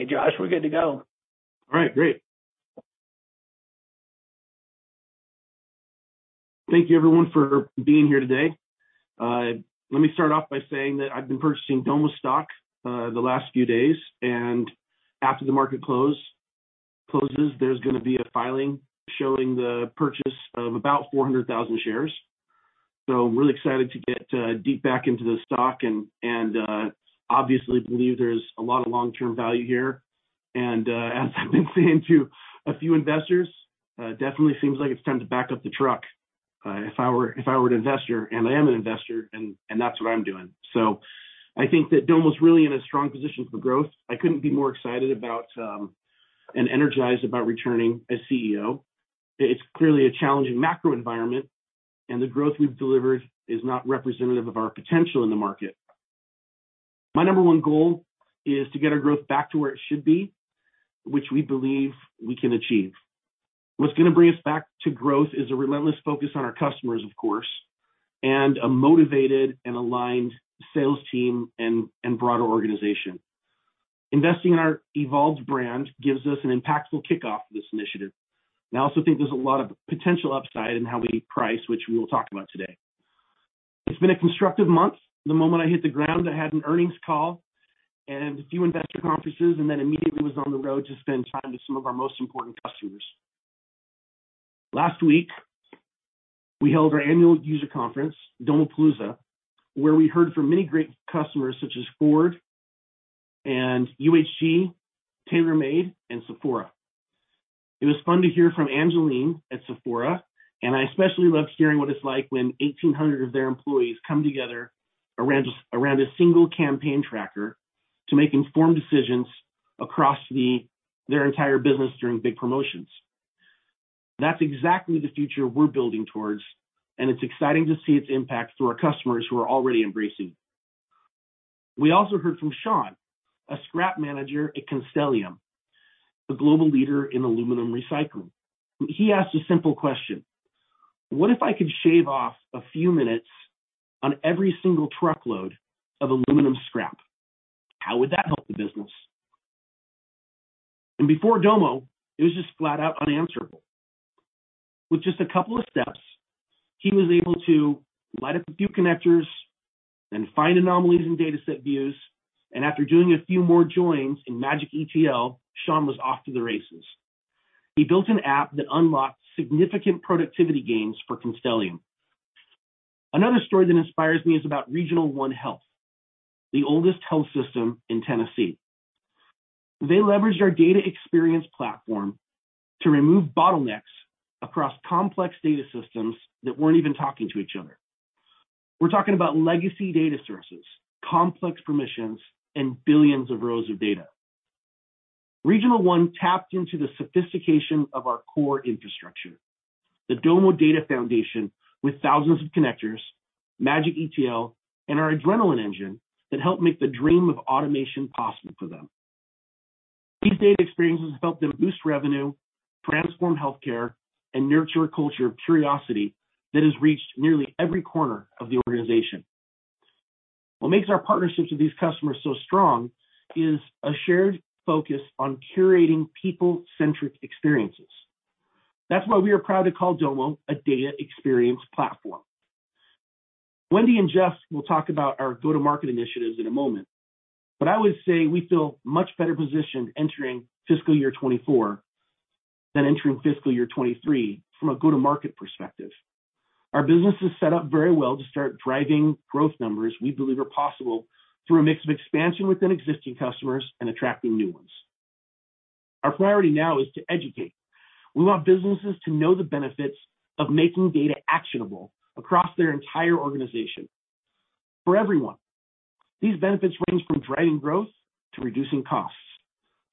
Hey, Josh, we're good to go. All right, great. Thank you everyone for being here today. Let me start off by saying that I've been purchasing Domo stock, the last few days, and after the market closes, there's gonna be a filing showing the purchase of about 400,000 shares. I'm really excited to get deep back into the stock and obviously believe there's a lot of long-term value here. As I've been saying to a few investors, definitely seems like it's time to back up the truck, if I were an investor, and I am an investor, and that's what I'm doing. I think that Domo's really in a strong position for growth. I couldn't be more excited about and energized about returning as CEO. It's clearly a challenging macro environment, and the growth we've delivered is not representative of our potential in the market. My number one goal is to get our growth back to where it should be, which we believe we can achieve. What's gonna bring us back to growth is a relentless focus on our customers, of course, and a motivated and aligned sales team and broader organization. Investing in our evolved brand gives us an impactful kickoff to this initiative. I also think there's a lot of potential upside in how we price, which we will talk about today. It's been a constructive month. The moment I hit the ground, I had an earnings call and a few investor conferences, and then immediately was on the road to spend time with some of our most important customers. Last week, we held our annual user conference, Domopalooza, where we heard from many great customers such as Ford and UHG, TaylorMade, and Sephora. It was fun to hear from Angeline at Sephora, and I especially loved hearing what it's like when 1,800 of their employees come together around a single campaign tracker to make informed decisions across their entire business during big promotions. That's exactly the future we're building towards, and it's exciting to see its impact through our customers who are already embracing. We also heard from Sean, a scrap manager at Constellium, the global leader in aluminum recycling. He asked a simple question, "What if I could shave off a few minutes on every single truckload of aluminum scrap? How would that help the business?" Before Domo, it was just flat out unanswerable. With just a couple of steps, he was able to light up a few connectors and find anomalies in dataset views. After doing a few more joins in Magic ETL, Sean was off to the races. He built an app that unlocked significant productivity gains for Constellium. Another story that inspires me is about Regional One Health, the oldest health system in Tennessee. They leveraged our data experience platform to remove bottlenecks across complex data systems that weren't even talking to each other. We're talking about legacy data sources, complex permissions, and billions of rows of data. Regional One tapped into the sophistication of our core infrastructure, the Domo Data Foundation, with thousands of connectors, Magic ETL, and our Adrenaline engine that helped make the dream of automation possible for them. These data experiences helped them boost revenue, transform healthcare, and nurture a culture of curiosity that has reached nearly every corner of the organization. What makes our partnerships with these customers so strong is a shared focus on curating people-centric experiences. That's why we are proud to call Domo a data experience platform. I would say we feel much better positioned entering fiscal year 2024 than entering fiscal year 2023 from a go-to-market perspective. Our business is set up very well to start driving growth numbers we believe are possible through a mix of expansion within existing customers and attracting new ones. Our priority now is to educate. We want businesses to know the benefits of making data actionable across their entire organization. For everyone, these benefits range from driving growth, to reducing costs,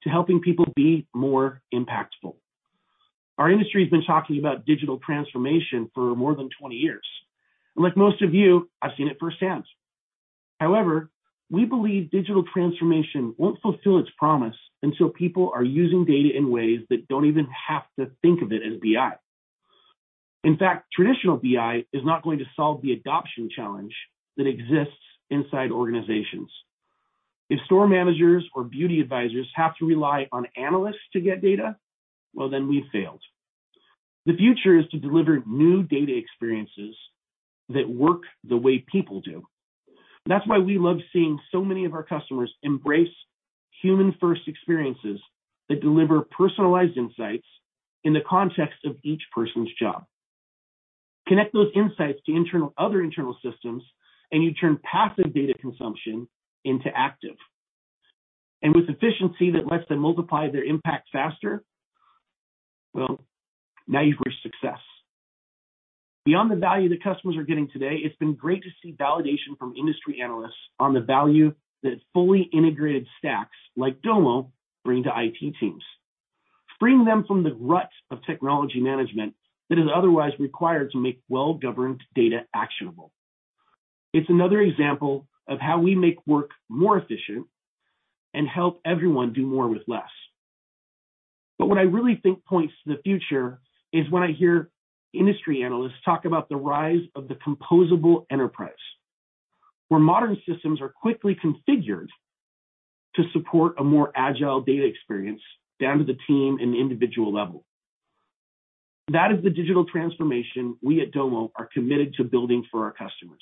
to helping people be more impactful. Our industry has been talking about digital transformation for more than 20-years. Like most of you, I've seen it firsthand. However, we believe digital transformation won't fulfill its promise until people are using data in ways that don't even have to think of it as BI. In fact, traditional BI is not going to solve the adoption challenge that exists inside organizations. If store managers or beauty advisors have to rely on analysts to get data, well, then we've failed. The future is to deliver new data experiences that work the way people do. That's why we love seeing so many of our customers embrace human-first experiences that deliver personalized insights in the context of each person's job. Connect those insights to other internal systems, you turn passive data consumption into active. With efficiency that lets them multiply their impact faster, well, now you've got success. Beyond the value that customers are getting today, it's been great to see validation from industry analysts on the value that fully integrated stacks like Domo bring to IT teams, freeing them from the rut of technology management that is otherwise required to make well-governed data actionable. It's another example of how we make work more efficient and help everyone do more with less. What I really think points to the future is when I hear industry analysts talk about the rise of the composable enterprise, where modern systems are quickly configured to support a more agile data experience down to the team and individual level. That is the digital transformation we at Domo are committed to building for our customers.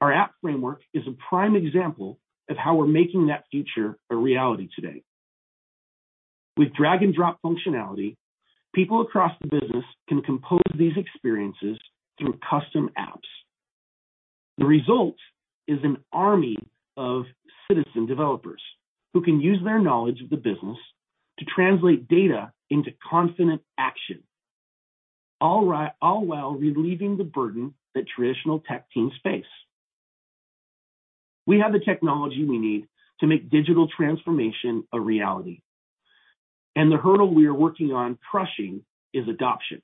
Our App Framework is a prime example of how we're making that future a reality today. With drag and drop functionality, people across the business can compose these experiences through custom apps. The result is an army of citizen developers who can use their knowledge of the business to translate data into confident action, all while relieving the burden that traditional tech teams face. We have the technology we need to make digital transformation a reality, and the hurdle we are working on crushing is adoption.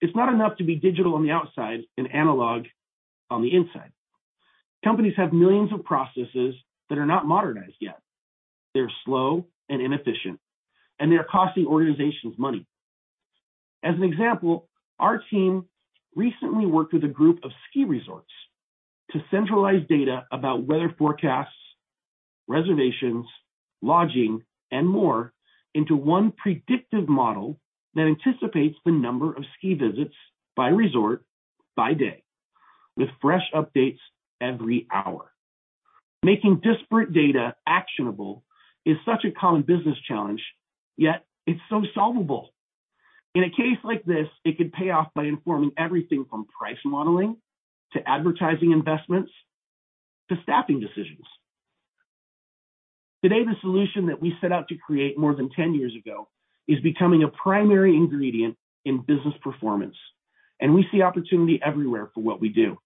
It's not enough to be digital on the outside and analog on the inside. Companies have millions of processes that are not modernized yet. They're slow and inefficient. They are costing organizations money. As an example, our team recently worked with a group of ski resorts to centralize data about weather forecasts, reservations, lodging, and more into one predictive model that anticipates the number of ski visits by resort, by day, with fresh updates every hour. Making disparate data actionable is such a common business challenge, yet it's so solvable. In a case like this, it could pay off by informing everything from price modeling to advertising investments to staffing decisions. Today, the solution that we set out to create more than 10-years ago is becoming a primary ingredient in business performance, and we see opportunity everywhere for what we do.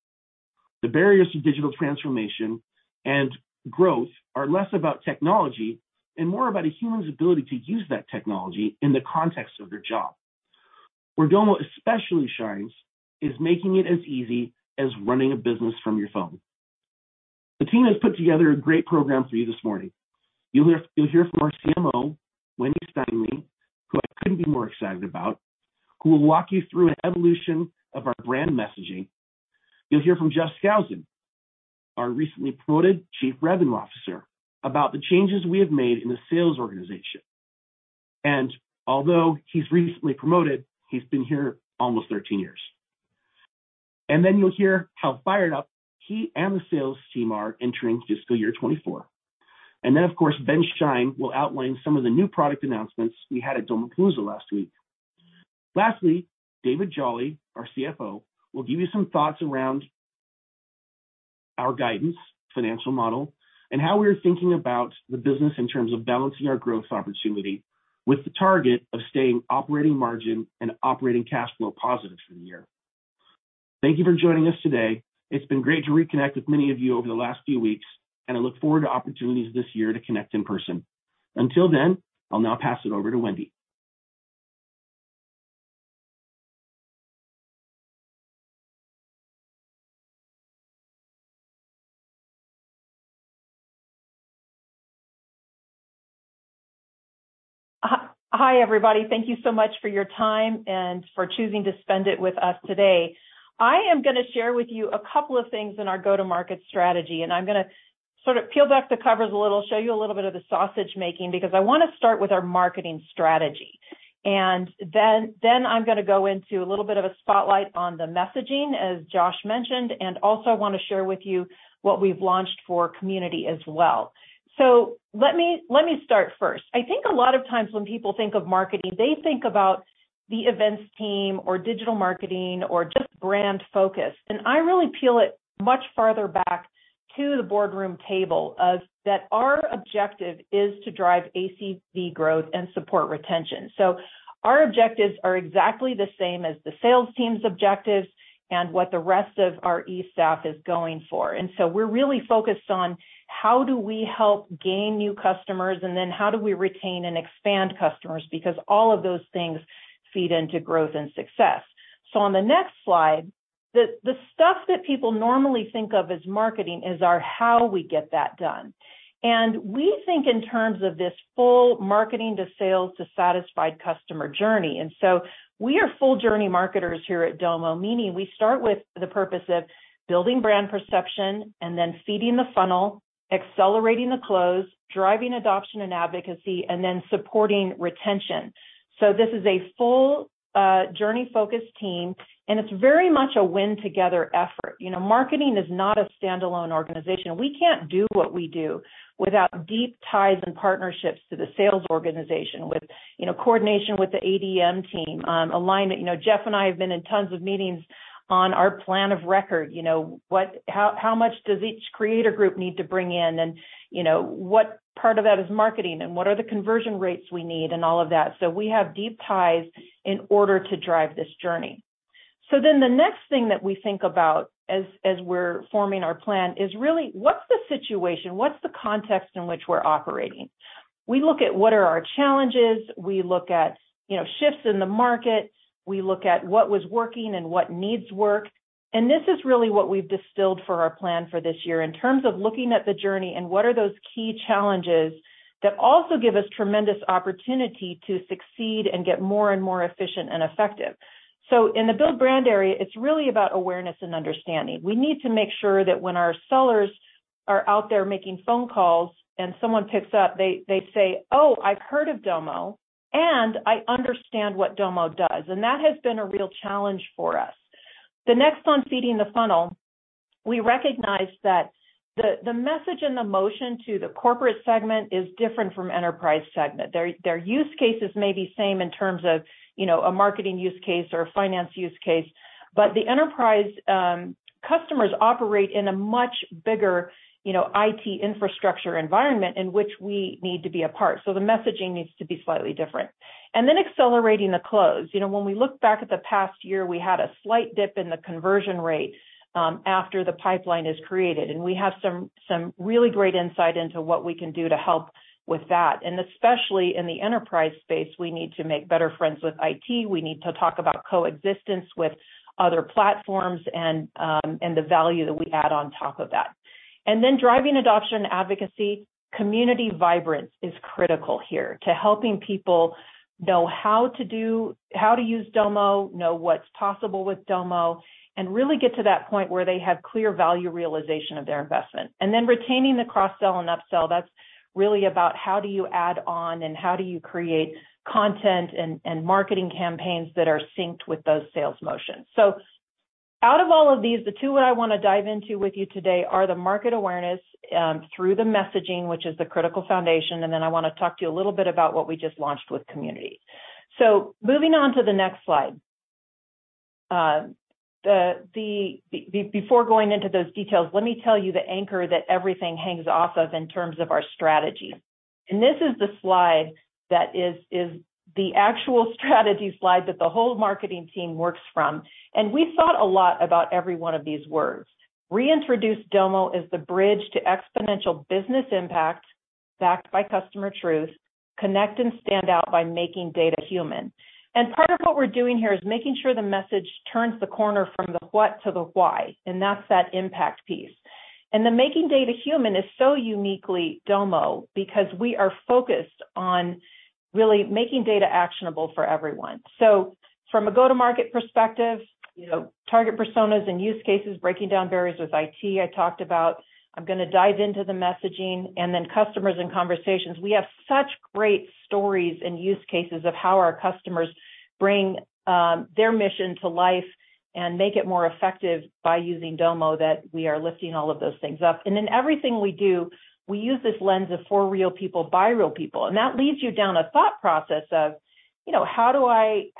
The barriers to digital transformation and growth are less about technology and more about a human's ability to use that technology in the context of their job. Where Domo especially shines is making it as easy as running a business from your phone. The team has put together a great program for you this morning. You'll hear from our CMO Wendy Steinle, who I couldn't be more excited about, who will walk you through an evolution of our brand messaging. You'll hear from Jeff Skousen, our recently promoted Chief Revenue Officer, about the changes we have made in the sales organization. Although he's recently promoted, he's been here almost 13-years. Then you'll hear how fired up he and the sales team are entering fiscal year 2024. Then, of course, Ben Schein will outline some of the new product announcements we had at Domopalooza last week. Lastly, David Jolley, our CFO, will give you some thoughts around our guidance, financial model, and how we are thinking about the business in terms of balancing our growth opportunity with the target of staying operating margin and operating cash flow positive for the year. Thank you for joining us today. It's been great to reconnect with many of you over the last few weeks, and I look forward to opportunities this year to connect in person. Until then, I'll now pass it over to Wendy. Hi, everybody. Thank you so much for your time and for choosing to spend it with us today. I am going to share with you a couple of things in our go-to-market strategy, and I'm going to sort of peel back the covers a little, show you a little bit of the sausage making, because I want to start with our marketing strategy. Then I'm going to go into a little bit of a spotlight on the messaging, as Josh mentioned. Also I want to share with you what we've launched for community as well. Let me start first. I think a lot of times when people think of marketing, they think about the events team or digital marketing or just brand focus. I really peel it much farther back to the boardroom table of that our objective is to drive ACV growth and support retention. Our objectives are exactly the same as the sales team's objectives and what the rest of our e-staff is going for. We're really focused on how do we help gain new customers, and then how do we retain and expand customers, because all of those things feed into growth and success. On the next slide, the stuff that people normally think of as marketing is our how we get that done. We think in terms of this full marketing to sales to satisfied customer journey. We are full journey marketers here at Domo, meaning we start with the purpose of building brand perception and then feeding the funnel, accelerating the close, driving adoption and advocacy, and then supporting retention. This is a full, journey-focused team, and it's very much a win together effort. You know, marketing is not a standalone organization. We can't do what we do without deep ties and partnerships to the sales organization with, you know, coordination with the ADM team, alignment. You know, Jeff and I have been in tons of meetings on our plan of record. You know, how much does each creator group need to bring in? And, you know, what part of that is marketing, and what are the conversion rates we need and all of that. We have deep ties in order to drive this journey. The next thing that we think about as we're forming our plan is really, what's the situation? What's the context in which we're operating? We look at what are our challenges. We look at, you know, shifts in the market. We look at what was working and what needs work. This is really what we've distilled for our plan for this year in terms of looking at the journey and what are those key challenges that also give us tremendous opportunity to succeed and get more and more efficient and effective. In the build brand area, it's really about awareness and understanding. We need to make sure that when our sellers are out there making phone calls and someone picks up, they say, "Oh, I've heard of Domo, and I understand what Domo does." That has been a real challenge for us. The next on feeding the funnel, we recognize that the message and the motion to the corporate segment is different from enterprise segment. Their use cases may be same in terms of, you know, a marketing use case or a finance use case. The enterprise customers operate in a much bigger, you know, IT infrastructure environment in which we need to be a part. The messaging needs to be slightly different. Accelerating the close. You know, when we look back at the past year, we had a slight dip in the conversion rate after the pipeline is created. We have some really great insight into what we can do to help with that. Especially in the enterprise space, we need to make better friends with IT, we need to talk about coexistence with other platforms and the value that we add on top of that. Driving adoption advocacy, community vibrance is critical here to helping people know how to use Domo, know what's possible with Domo, and really get to that point where they have clear value realization of their investment. Retaining the cross-sell and upsell, that's really about how do you add on and how do you create content and marketing campaigns that are synced with those sales motions. Out of all of these, the two that I wanna dive into with you today are the market awareness through the messaging, which is the critical foundation, and then I wanna talk to you a little bit about what we just launched with community. Moving on to the next slide. The, before going into those details, let me tell you the anchor that everything hangs off of in terms of our strategy. This is the slide that is the actual strategy slide that the whole marketing team works from. We thought a lot about every one of these words. Reintroduce Domo as the bridge to exponential business impact backed by customer truth. Connect and stand out by making data human. Part of what we're doing here is making sure the message turns the corner from the what to the why, and that's that impact piece. The making data human is so uniquely Domo because we are focused on really making data actionable for everyone. From a go-to-market perspective, you know, target personas and use cases, breaking down barriers with IT, I talked about. I'm gonna dive into the messaging, and then customers and conversations. We have such great stories and use cases of how our customers bring their mission to life and make it more effective by using Domo that we are lifting all of those things up. In everything we do, we use this lens of for real people, by real people. That leads you down a thought process of, you know, how do I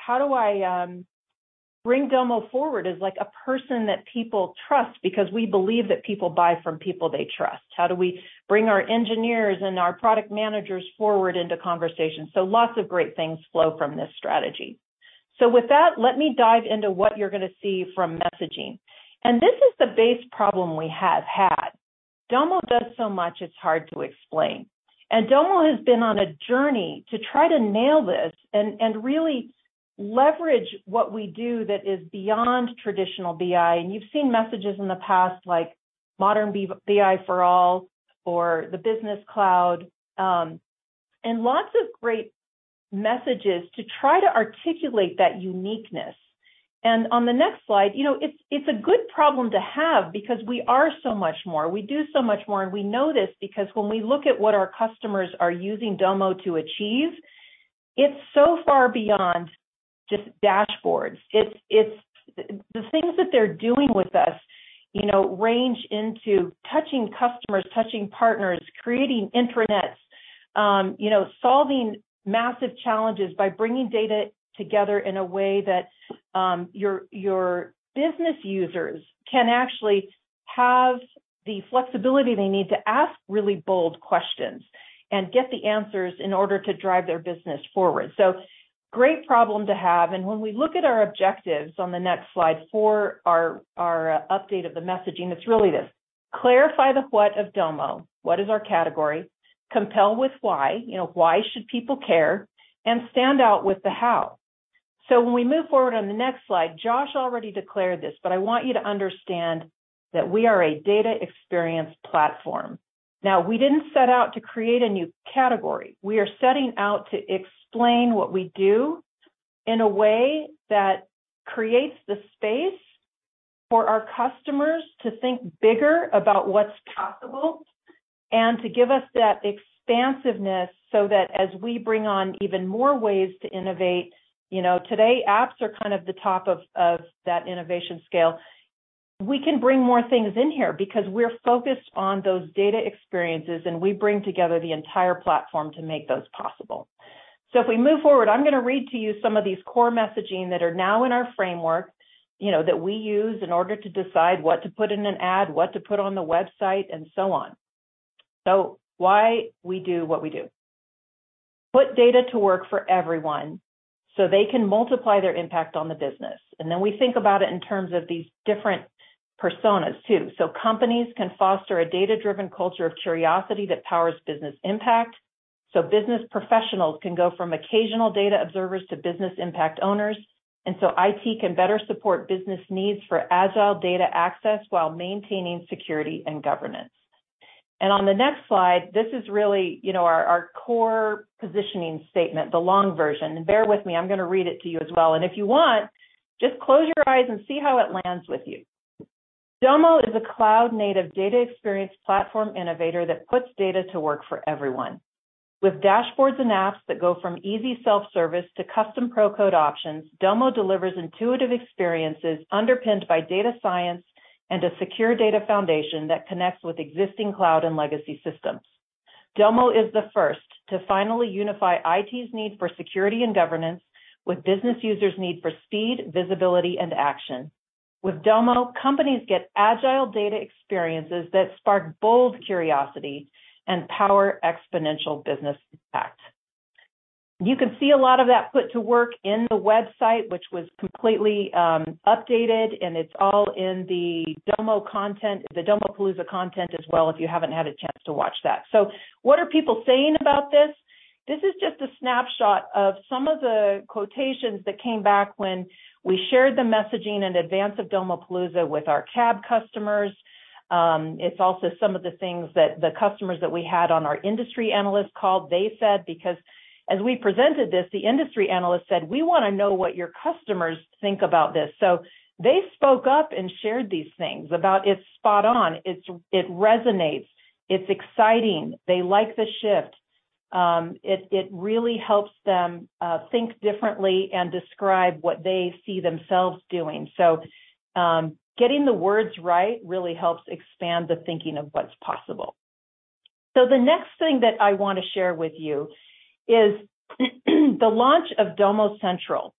bring Domo forward as, like, a person that people trust because we believe that people buy from people they trust? How do we bring our engineers and our product managers forward into conversations? Lots of great things flow from this strategy. With that, let me dive into what you're gonna see from messaging. This is the base problem we have had. Domo does so much, it's hard to explain. Domo has been on a journey to try to nail this and really leverage what we do that is beyond traditional BI. You've seen messages in the past like modern BI for all or the business cloud, and lots of great messages to try to articulate that uniqueness. On the next slide, you know, it's a good problem to have because we are so much more. We do so much more, and we know this because when we look at what our customers are using Domo to achieve, it's so far beyond just dashboards. It's the things that they're doing with us, you know, range into touching customers, touching partners, creating intranets, you know, solving massive challenges by bringing data together in a way that your business users can actually have the flexibility they need to ask really bold questions and get the answers in order to drive their business forward. Great problem to have. When we look at our objectives on the next slide for our update of the messaging, it's really this. Clarify the what of Domo. What is our category? Compel with why. You know, why should people care? Stand out with the how. When we move forward on the next slide, Josh already declared this, but I want you to understand that we are a data experience platform. Now, we didn't set out to create a new category. We are setting out to explain what we do in a way that creates the space for our customers to think bigger about what's possible and to give us that expansiveness so that as we bring on even more ways to innovate, you know, today apps are kind of the top of that innovation scale. We can bring more things in here because we're focused on those data experiences, and we bring together the entire platform to make those possible. If we move forward, I'm gonna read to you some of these core messaging that are now in our framework, you know, that we use in order to decide what to put in an ad, what to put on the website, and so on. Why we do what we do. Put data to work for everyone so they can multiply their impact on the business. Then we think about it in terms of these different personas too. Companies can foster a data-driven culture of curiosity that powers business impact. Business professionals can go from occasional data observers to business impact owners, and so IT can better support business needs for agile data access while maintaining security and governance. On the next slide, this is really, you know, our core positioning statement, the long version. Bear with me, I'm gonna read it to you as well. If you want, just close your eyes and see how it lands with you. "Domo is a cloud-native data experience platform innovator that puts data to work for everyone. With dashboards and apps that go from easy self-service to custom pro code options, Domo delivers intuitive experiences underpinned by data science and a secure data foundation that connects with existing cloud and legacy systems. Domo is the first to finally unify IT's need for security and governance with business users' need for speed, visibility, and action. With Domo, companies get agile data experiences that spark bold curiosity and power exponential business impact." You can see a lot of that put to work in the website, which was completely updated, and it's all in the Domopalooza content as well, if you haven't had a chance to watch that. What are people saying about this? This is just a snapshot of some of the quotations that came back when we shared the messaging in advance of Domopalooza with our CAB customers. It's also some of the things that the customers that we had on our industry analyst call, they said. As we presented this, the industry analyst said, "We wanna know what your customers think about this." They spoke up and shared these things about it's spot on, it resonates, it's exciting. They like the shift. It really helps them think differently and describe what they see themselves doing. Getting the words right really helps expand the thinking of what's possible. The next thing that I wanna share with you is the launch of Domo Central.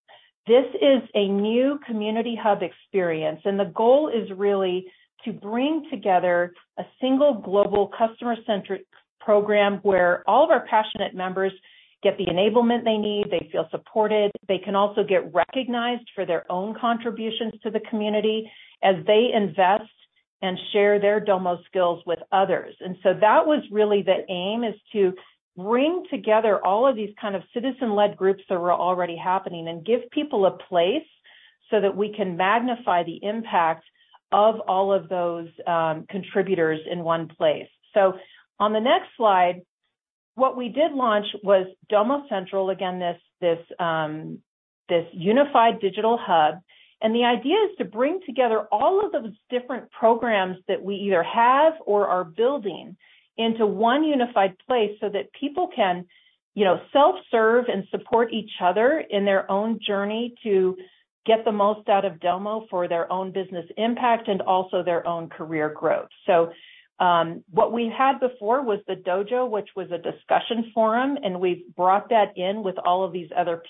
This is a new community hub experience, and the goal is really to bring together a single global customer-centric program where all of our passionate members get the enablement they need, they feel supported. They can also get recognized for their own contributions to the community as they invest and share their Domo skills with others. That was really the aim, is to bring together all of these kind of citizen-led groups that were already happening and give people a place, so that we can magnify the impact of all of those contributors in one place. On the next slide, what we did launch was Domo Central, again, this unified digital hub. The idea is to bring together all of those different programs that we either have or are building into one unified place, so that people can, you know, self-serve and support each other in their own journey to get the most out of Domo for their own business impact and also their own career growth. What we had before was the Dojo, which was a discussion forum, and we've brought that in with all of these other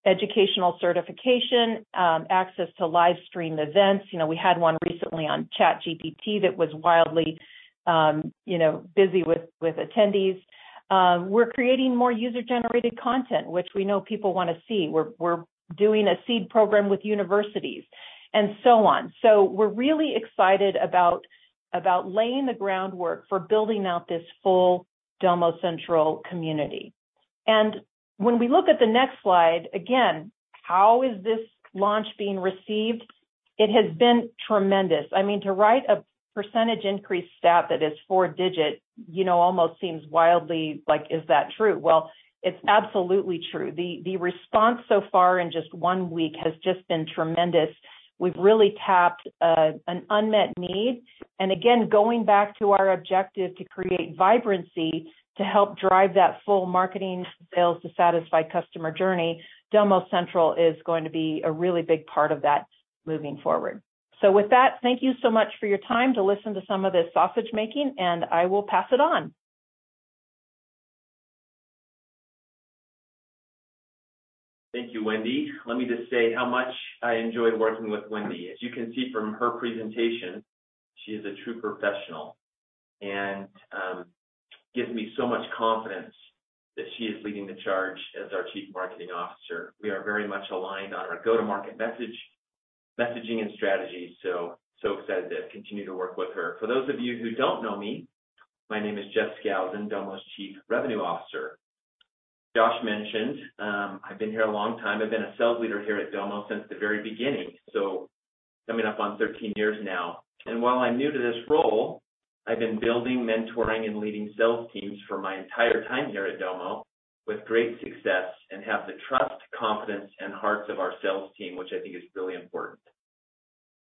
pieces, the educational certification, access to live streamed events. You know, we had one recently on ChatGPT that was wildly, you know, busy with attendees. We're creating more user-generated content, which we know people wanna see. We're doing a seed program with universities, and so on. We're really excited about laying the groundwork for building out this full Domo Central community. When we look at the next slide, again, how is this launch being received? It has been tremendous. I mean, to write a percen increase stat that is four digit, you know, almost seems wildly like, is that true? Well, it's absolutely true. The response so far in just one week has just been tremendous. We've really tapped an unmet need. Again, going back to our objective to create vibrancy to help drive that full marketing sales to satisfy customer journey, Domo Central is going to be a really big part of that moving forward. With that, thank you so much for your time to listen to some of this sausage-making, and I will pass it on. Thank you, Wendy. Let me just say how much I enjoy working with Wendy. As you can see from her presentation, she is a true professional, and gives me so much confidence that she is leading the charge as our Chief Marketing Officer. We are very much aligned on our go-to-market messaging, and strategy, so excited to continue to work with her. For those of you who don't know me, my name is Jeff Skousen, Domo's Chief Revenue Officer. Josh mentioned, I've been here a long time. I've been a sales leader here at Domo since the very beginning, so coming up on 13-years now. While I'm new to this role, I've been building, mentoring, and leading sales teams for my entire time here at Domo with great success and have the trust, confidence, and hearts of our sales team, which I think is really important.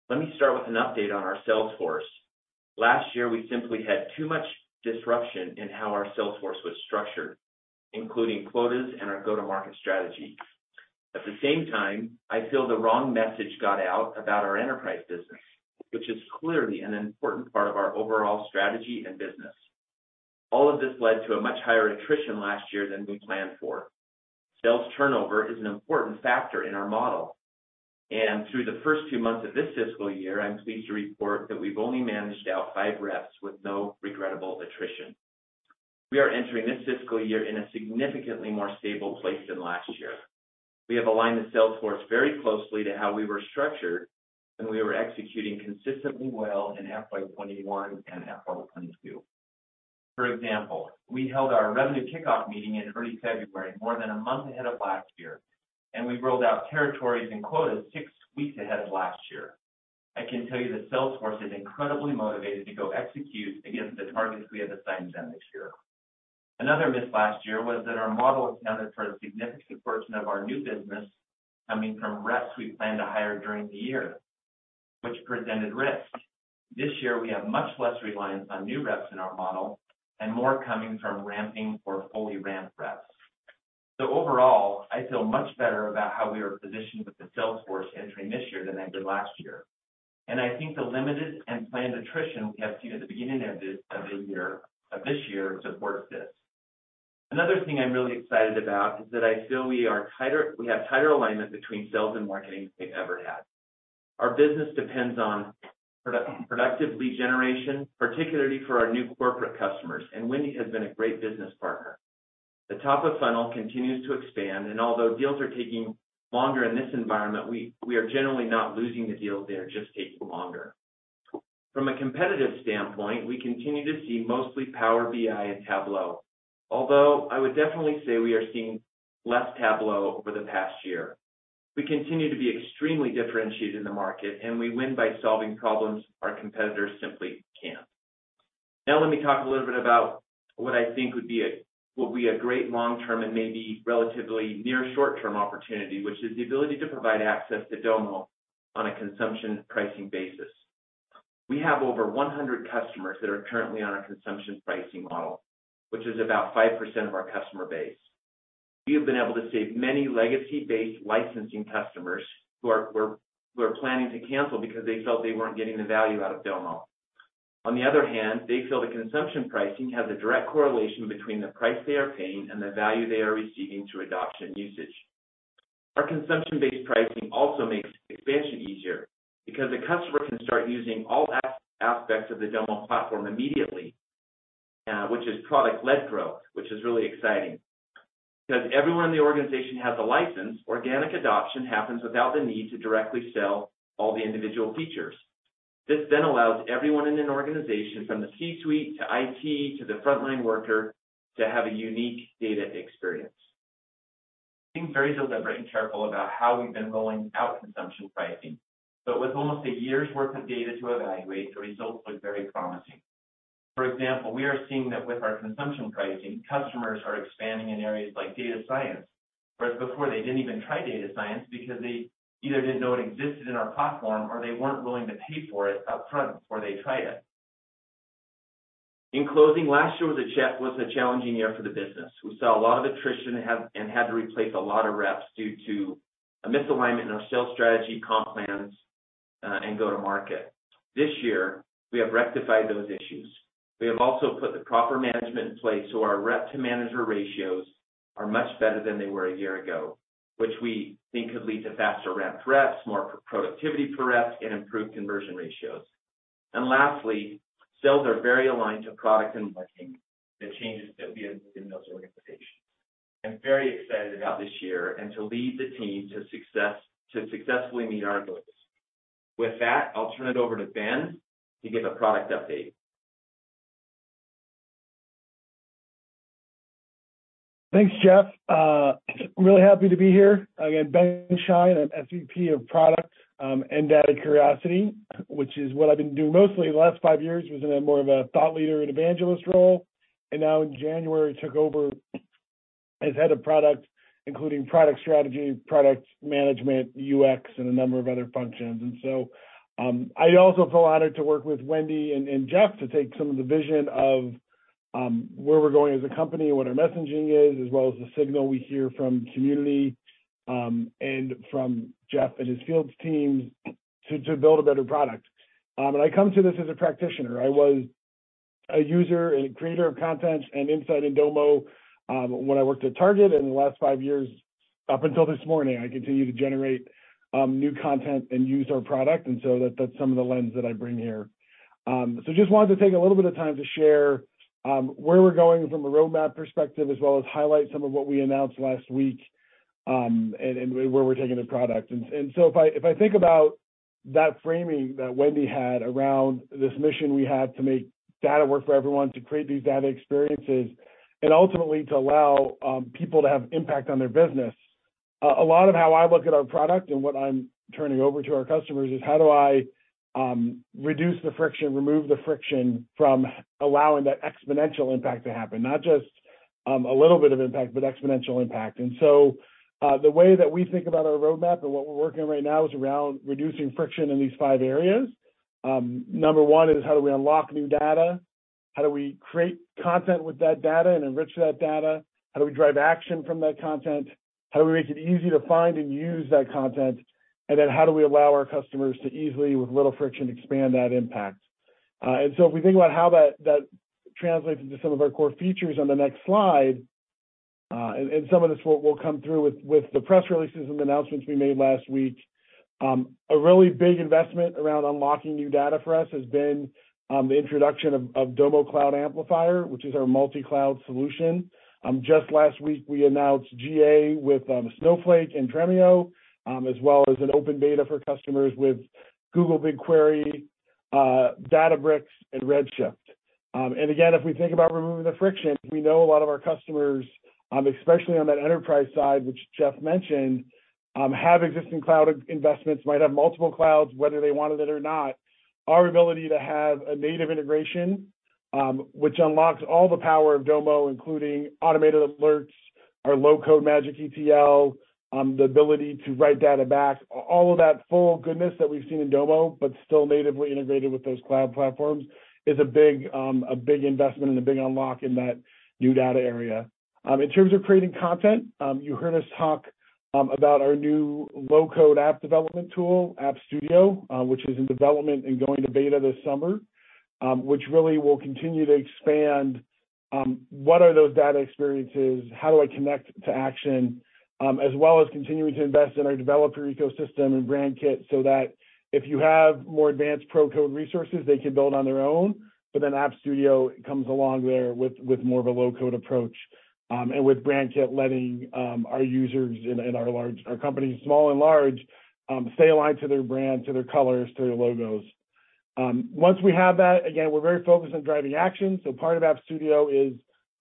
Let me start with an update on our sales force. Last year, we simply had too much disruption in how our sales force was structured, including quotas and our go-to-market strategy. At the same time, I feel the wrong message got out about our enterprise business, which is clearly an important part of our overall strategy and business. All of this led to a much higher attrition last year than we planned for. Sales turnover is an important factor in our model. Through the first two months of this fiscal year, I'm pleased to report that we've only managed out five reps with no regrettable attrition. We are entering this fiscal year in a significantly more stable place than last year. We have aligned the sales force very closely to how we were structured when we were executing consistently well in FY 2021 and FY 2022. For example, we held our revenue kickoff meeting in early February, more than a month ahead of last year, and we rolled out territories and quotas six weeks ahead of last year. I can tell you the sales force is incredibly motivated to go execute against the targets we have assigned them this year. Another miss last year was that our model accounted for a significant portion of our new business coming from reps we plan to hire during the year, which presented risk. This year we have much less reliance on new reps in our model and more coming from ramping or fully ramped reps. Overall, I feel much better about how we are positioned with the salesforce entering this year than I did last year, and I think the limited and planned attrition we have seen at the beginning of this year supports this. Another thing I'm really excited about is that I feel we have tighter alignment between sales and marketing than we've ever had. Our business depends on product-productive lead generation, particularly for our new corporate customers, and Wendy has been a great business partner. The top of funnel continues to expand and although deals are taking longer in this environment, we are generally not losing the deals, they are just taking longer. From a competitive standpoint, we continue to see mostly Power BI and Tableau, although I would definitely say we are seeing less Tableau over the past year. We continue to be extremely differentiated in the market, and we win by solving problems our competitors simply can't. Let me talk a little bit about what I think would be what would be a great long-term and maybe relatively near short-term opportunity, which is the ability to provide access to Domo on a consumption pricing basis. We have over 100 customers that are currently on a consumption pricing model, which is about 5% of our customer base. We have been able to save many legacy-based licensing customers who were planning to cancel because they felt they weren't getting the value out of Domo. On the other hand, they feel the consumption pricing has a direct correlation between the price they are paying and the value they are receiving through adoption usage. Our consumption-based pricing also makes expansion easier because the customer can start using all aspects of the Domo platform immediately, which is product-led growth, which is really exciting. Because everyone in the organization has a license, organic adoption happens without the need to directly sell all the individual features. This allows everyone in an organization, from the C-suite to IT, to the frontline worker, to have a unique data experience. We've been very deliberate and careful about how we've been rolling out consumption pricing. With almost a year's worth of data to evaluate, the results look very promising. For example, we are seeing that with our consumption pricing, customers are expanding in areas like data science, whereas before they didn't even try data science because they either didn't know it existed in our platform or they weren't willing to pay for it up front before they tried it. In closing, last year was a challenging year for the business. We saw a lot of attrition and had to replace a lot of reps due to a misalignment in our sales strategy, comp plans, and go-to-market. This year we have rectified those issues. We have also put the proper management in place, so our rep-to-manager ratios are much better than they were a year ago, which we think could lead to faster ramped reps, more productivity for reps, and improved conversion ratios. Lastly, sales are very aligned to product and marketing, the changes that we have made in those organizations. I'm very excited about this year and to lead the team to successfully meet our goals. With that, I'll turn it over to Ben to give a product update. Thanks, Jeff. I'm really happy to be here. Again, Ben Schein, I'm SVP of Product, and Data Curiosity, which is what I've been doing mostly the last five years, was in a more of a thought leader and evangelist role. Now in January, took over as head of product, including product strategy, product management, UX, and a number of other functions. I also feel honored to work with Wendy and Jeff to take some of the vision of where we're going as a company and what our messaging is, as well as the signal we hear from community, and from Jeff and his fields teams to build a better product. I come to this as a practitioner. I was a user and a creator of content and insight in Domo, when I worked at Target, and in the last five years up until this morning, I continue to generate, new content and use our product, and so that's some of the lens that I bring here. Just wanted to take a little bit of time to share, where we're going from a roadmap perspective, as well as highlight some of what we announced last week, and where we're taking the product. If I think about that framing that Wendy had around this mission we have to make data work for everyone, to create these data experiences and ultimately to allow people to have impact on their business, a lot of how I look at our product and what I'm turning over to our customers is how do I reduce the friction, remove the friction from allowing that exponential impact to happen? Not just a little bit of impact, but exponential impact. The way that we think about our roadmap and what we're working on right now is around reducing friction in these five areas. Number one is how do we unlock new data? How do we create content with that data and enrich that data? How do we drive action from that content? How do we make it easy to find and use that content? How do we allow our customers to easily, with little friction, expand that impact? If we think about how that translates into some of our core features on the next slide, some of this will come through with the press releases and the announcements we made last week. A really big investment around unlocking new data for us has been the introduction of Domo Cloud Amplifier, which is our multi-cloud solution. Just last week we announced GA with Snowflake and Twilio, as well as an open beta for customers with Google BigQuery, Databricks and Redshift. Again, if we think about removing the friction, we know a lot of our customers, especially on that enterprise side, which Jeff mentioned, have existing cloud investments, might have multiple clouds whether they wanted it or not. Our ability to have a native integration, which unlocks all the power of Domo, including automated alerts, our low-code Magic ETL, the ability to write data back. All of that full goodness that we've seen in Domo, but still natively integrated with those cloud platforms, is a big investment and a big unlock in that new data area. In terms of creating content, you heard us talk about our new low-code app development tool, App Studio, which is in development and going to beta this summer, which really will continue to expand what are those data experiences? How do I connect to action? As well as continuing to invest in our developer ecosystem and Brand Kit, so that if you have more advanced pro code resources, they can build on their own. App Studio comes along there with more of a low-code approach. With Brand Kit letting our users in our large... Our companies small and large stay aligned to their brand, to their colors, to their logos. Once we have that, again, we're very focused on driving action. Part of App Studio is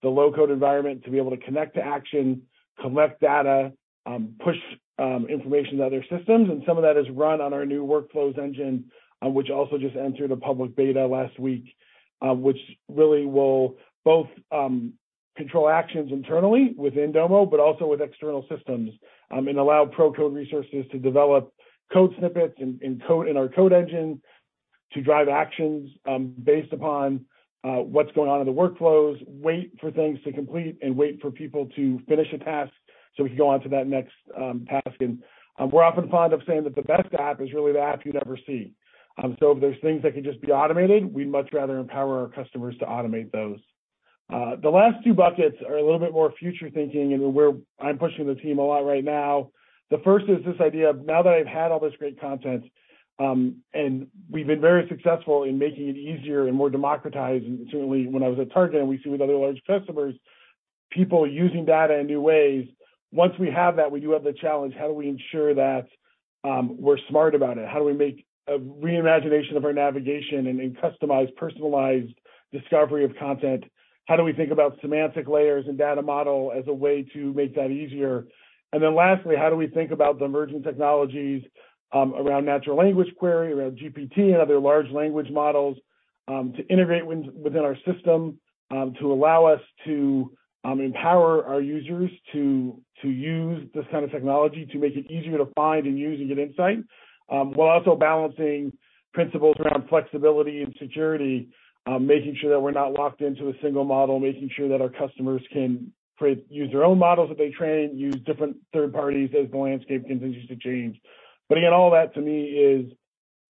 the low-code environment to be able to connect to action, collect data, push information to other systems, and some of that is run on our new Workflows engine, which also just entered a public beta last week, which really will both control actions internally within Domo, but also with external systems, and allow pro code resources to develop code snippets in code in our code engine to drive actions, based upon what's going on in the workflows, wait for things to complete and wait for people to finish a task so we can go on to that next task. We're often fond of saying that the best app is really the app you never see. If there's things that can just be automated, we'd much rather empower our customers to automate those. The last two buckets are a little bit more future thinking, I'm pushing the team a lot right now. The first is this idea of now that I've had all this great content, and we've been very successful in making it easier and more democratized, and certainly when I was at Target and we see with other large customers, people using data in new ways. Once we have that, we do have the challenge, how do we ensure that we're smart about it? How do we make a re-imagination of our navigation and a customized, personalized discovery of content? How do we think about semantic layers and data model as a way to make that easier? Lastly, how do we think about the emerging technologies, around natural language query, around GPT and other large language models, to integrate within our system, to allow us to empower our users to use this kind of technology to make it easier to find and use and get insight, while also balancing principles around flexibility and security. Making sure that we're not locked into a single model, making sure that our customers can use their own models that they train, use different third parties as the landscape continues to change. Again, all that to me is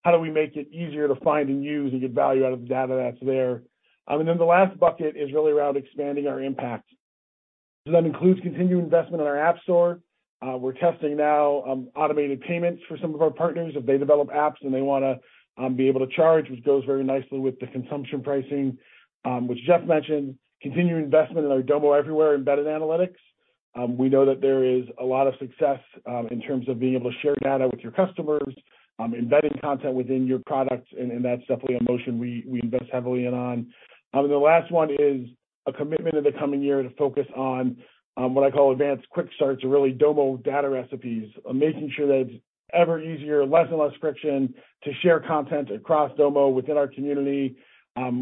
how do we make it easier to find and use and get value out of the data that's there? The last bucket is really around expanding our impact. That includes continued investment in our app store. We're testing now, automated payments for some of our partners if they develop apps and they wanna be able to charge, which goes very nicely with the consumption pricing, which Jeff mentioned. Continued investment in our Domo everywhere embedded analytics. We know that there is a lot of success in terms of being able to share data with your customers, embedding content within your products, and that's definitely a motion we invest heavily in on. The last one is a commitment in the coming year to focus on, what I call advanced quick starts or really Domo data recipes. Making sure that it's ever easier, less and less friction to share content across Domo, within our community,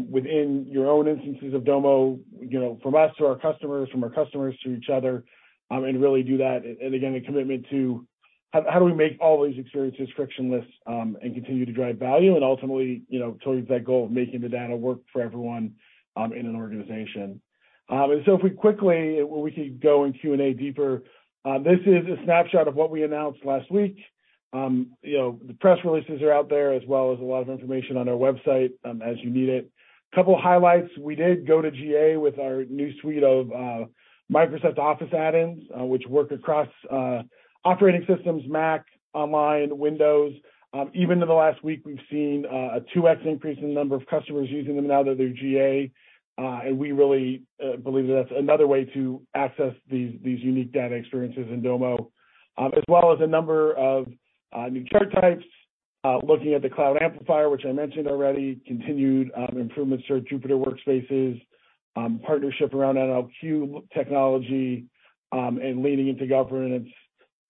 within your own instances of Domo, you know, from us to our customers, from our customers to each other, and really do that. Again, a commitment to how do we make all these experiences frictionless, and continue to drive value and ultimately, you know, towards that goal of making the data work for everyone, in an organization. If we quickly, we could go in Q&A deeper. This is a snapshot of what we announced last week. You know, the press releases are out there as well as a lot of information on our website, as you need it. Couple highlights. We did go to GA with our new suite of Microsoft Office Add-ins, which work across operating systems, Mac, online, Windows. Even in the last week, we've seen a 2x increase in the number of customers using them now that they're GA. We really believe that that's another way to access these unique data experiences in Domo. As well as a number of new chart types. Looking at the Cloud Amplifier, which I mentioned already. Continued improvements to our Jupyter Workspaces. Partnership around NLQ technology and leaning into governance.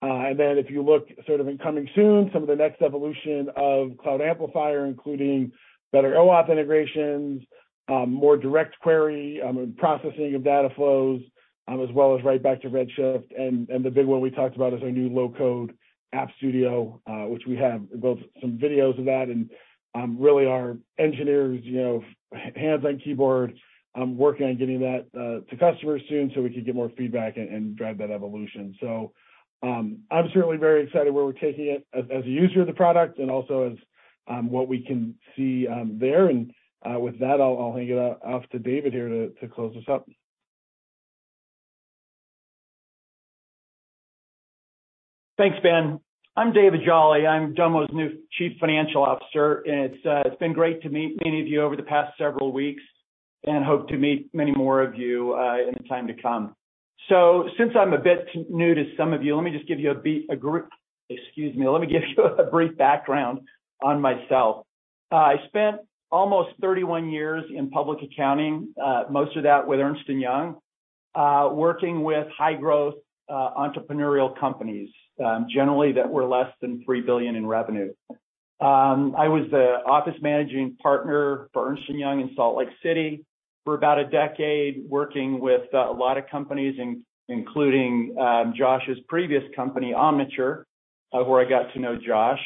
If you look sort of in coming soon, some of the next evolution of Cloud Amplifier, including better OAuth integrations, more direct query and processing of data flows, as well as right back to Redshift. The big one we talked about is our new low-code App Studio, which we have both some videos of that and really our engineers, you know, hands on keyboard, working on getting that to customers soon so we can get more feedback and drive that evolution. I'm certainly very excited where we're taking it as a user of the product and also as what we can see there. With that, I'll hand it off to David here to close us up. Thanks, Ben. I'm David Jolley. I'm Domo's new chief financial officer. It's been great to meet many of you over the past several weeks, and hope to meet many more of you in the time to come. Since I'm a bit new to some of you, let me just give you a group... Excuse me. Let me give you a brief background on myself. I spent almost 31-years in public accounting, most of that with Ernst & Young, working with high-growth, entrepreneurial companies, generally that were less than $3 billion in revenue. I was the office managing partner for Ernst & Young in Salt Lake City for about a decade, working with a lot of companies, including Josh's previous company, Omniture, where I got to know Josh.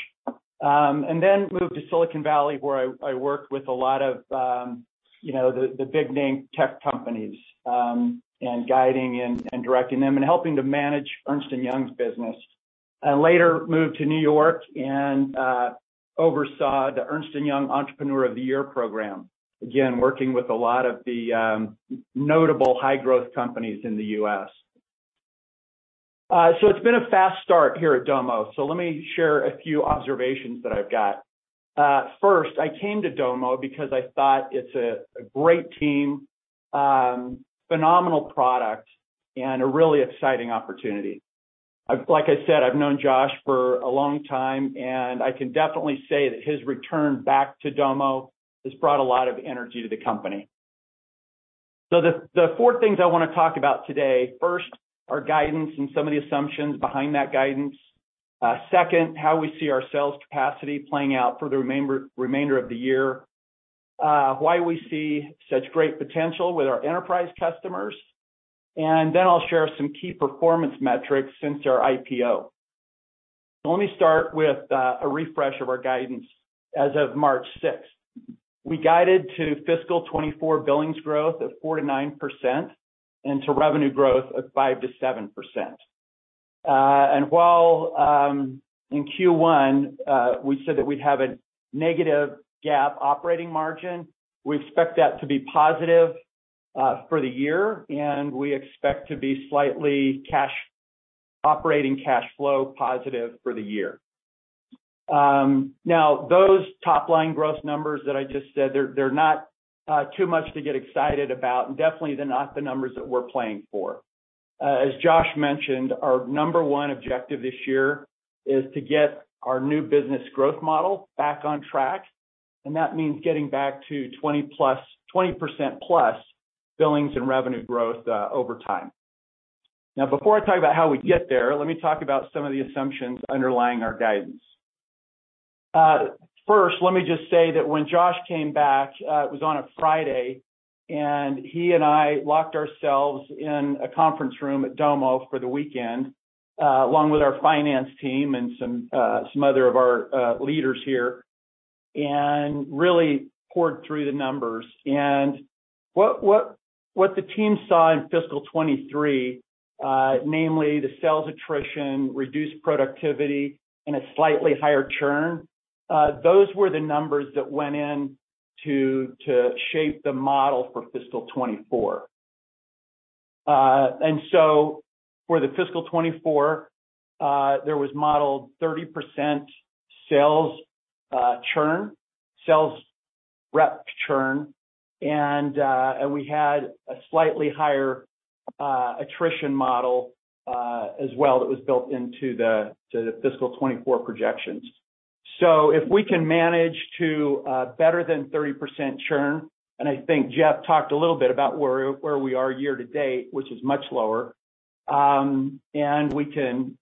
Then moved to Silicon Valley, where I worked with a lot of, you know, the big name tech companies, and guiding and directing them and helping to manage Ernst & Young's business. I later moved to New York and oversaw the Ernst & Young Entrepreneur Of The Year program. Again, working with a lot of the notable high-growth companies in the U.S. It's been a fast start here at Domo, so let me share a few observations that I've got. First, I came to Domo because I thought it's a great team, phenomenal product, and a really exciting opportunity. Like I said, I've known Josh for a long time, I can definitely say that his return back to Domo has brought a lot of energy to the company. The four things I want to talk about today. First, our guidance and some of the assumptions behind that guidance. Second, how we see our sales capacity playing out for the remainder of the year. Why we see such great potential with our enterprise customers. I'll share some key performance metrics since our IPO. Let me start with a refresh of our guidance as of March 6th. We guided to fiscal 2024 billings growth of 4%-9%, and to revenue growth of 5%-7%. While in Q1, we said that we'd have a negative GAAP operating margin, we expect that to be positive for the year, and we expect to be slightly operating cash flow positive for the year. Now, those top-line growth numbers that I just said, they're not too much to get excited about, and definitely they're not the numbers that we're playing for. As Josh mentioned, our number one objective this year is to get our new business growth model back on track, and that means getting back to 20% plus billings and revenue growth over time. Now, before I talk about how we get there, let me talk about some of the assumptions underlying our guidance. First, let me just say that when Josh came back, it was on a Friday, and he and I locked ourselves in a conference room at Domo for the weekend, along with our finance team and some other of our leaders here, and really poured through the numbers. What the team saw in FY 2023, namely the sales attrition, reduced productivity, and a slightly higher churn, those were the numbers that went in to shape the model for FY 2024. For the FY 2024, there was modeled 30% sales churn, sales rep churn, and we had a slightly higher attrition model as well that was built into the FY 2024 projections. If we can manage to better than 30% churn, and I think Jeff talked a little bit about where we are year to date, which is much lower, and we can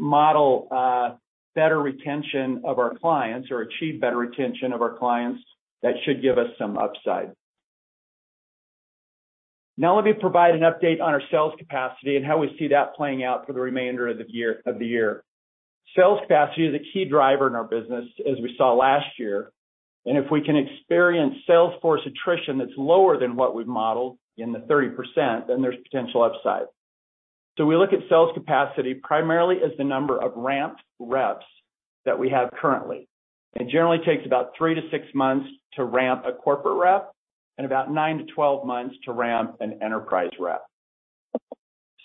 model better retention of our clients or achieve better retention of our clients, that should give us some upside. Let me provide an update on our sales capacity and how we see that playing out for the remainder of the year. Sales capacity is a key driver in our business, as we saw last year. If we can experience sales force attrition that's lower than what we've modeled in the 30%, there's potential upside. We look at sales capacity primarily as the number of ramped reps that we have currently. It generally takes about three to six months to ramp a corporate rep and about nine to 12 months to ramp an enterprise rep.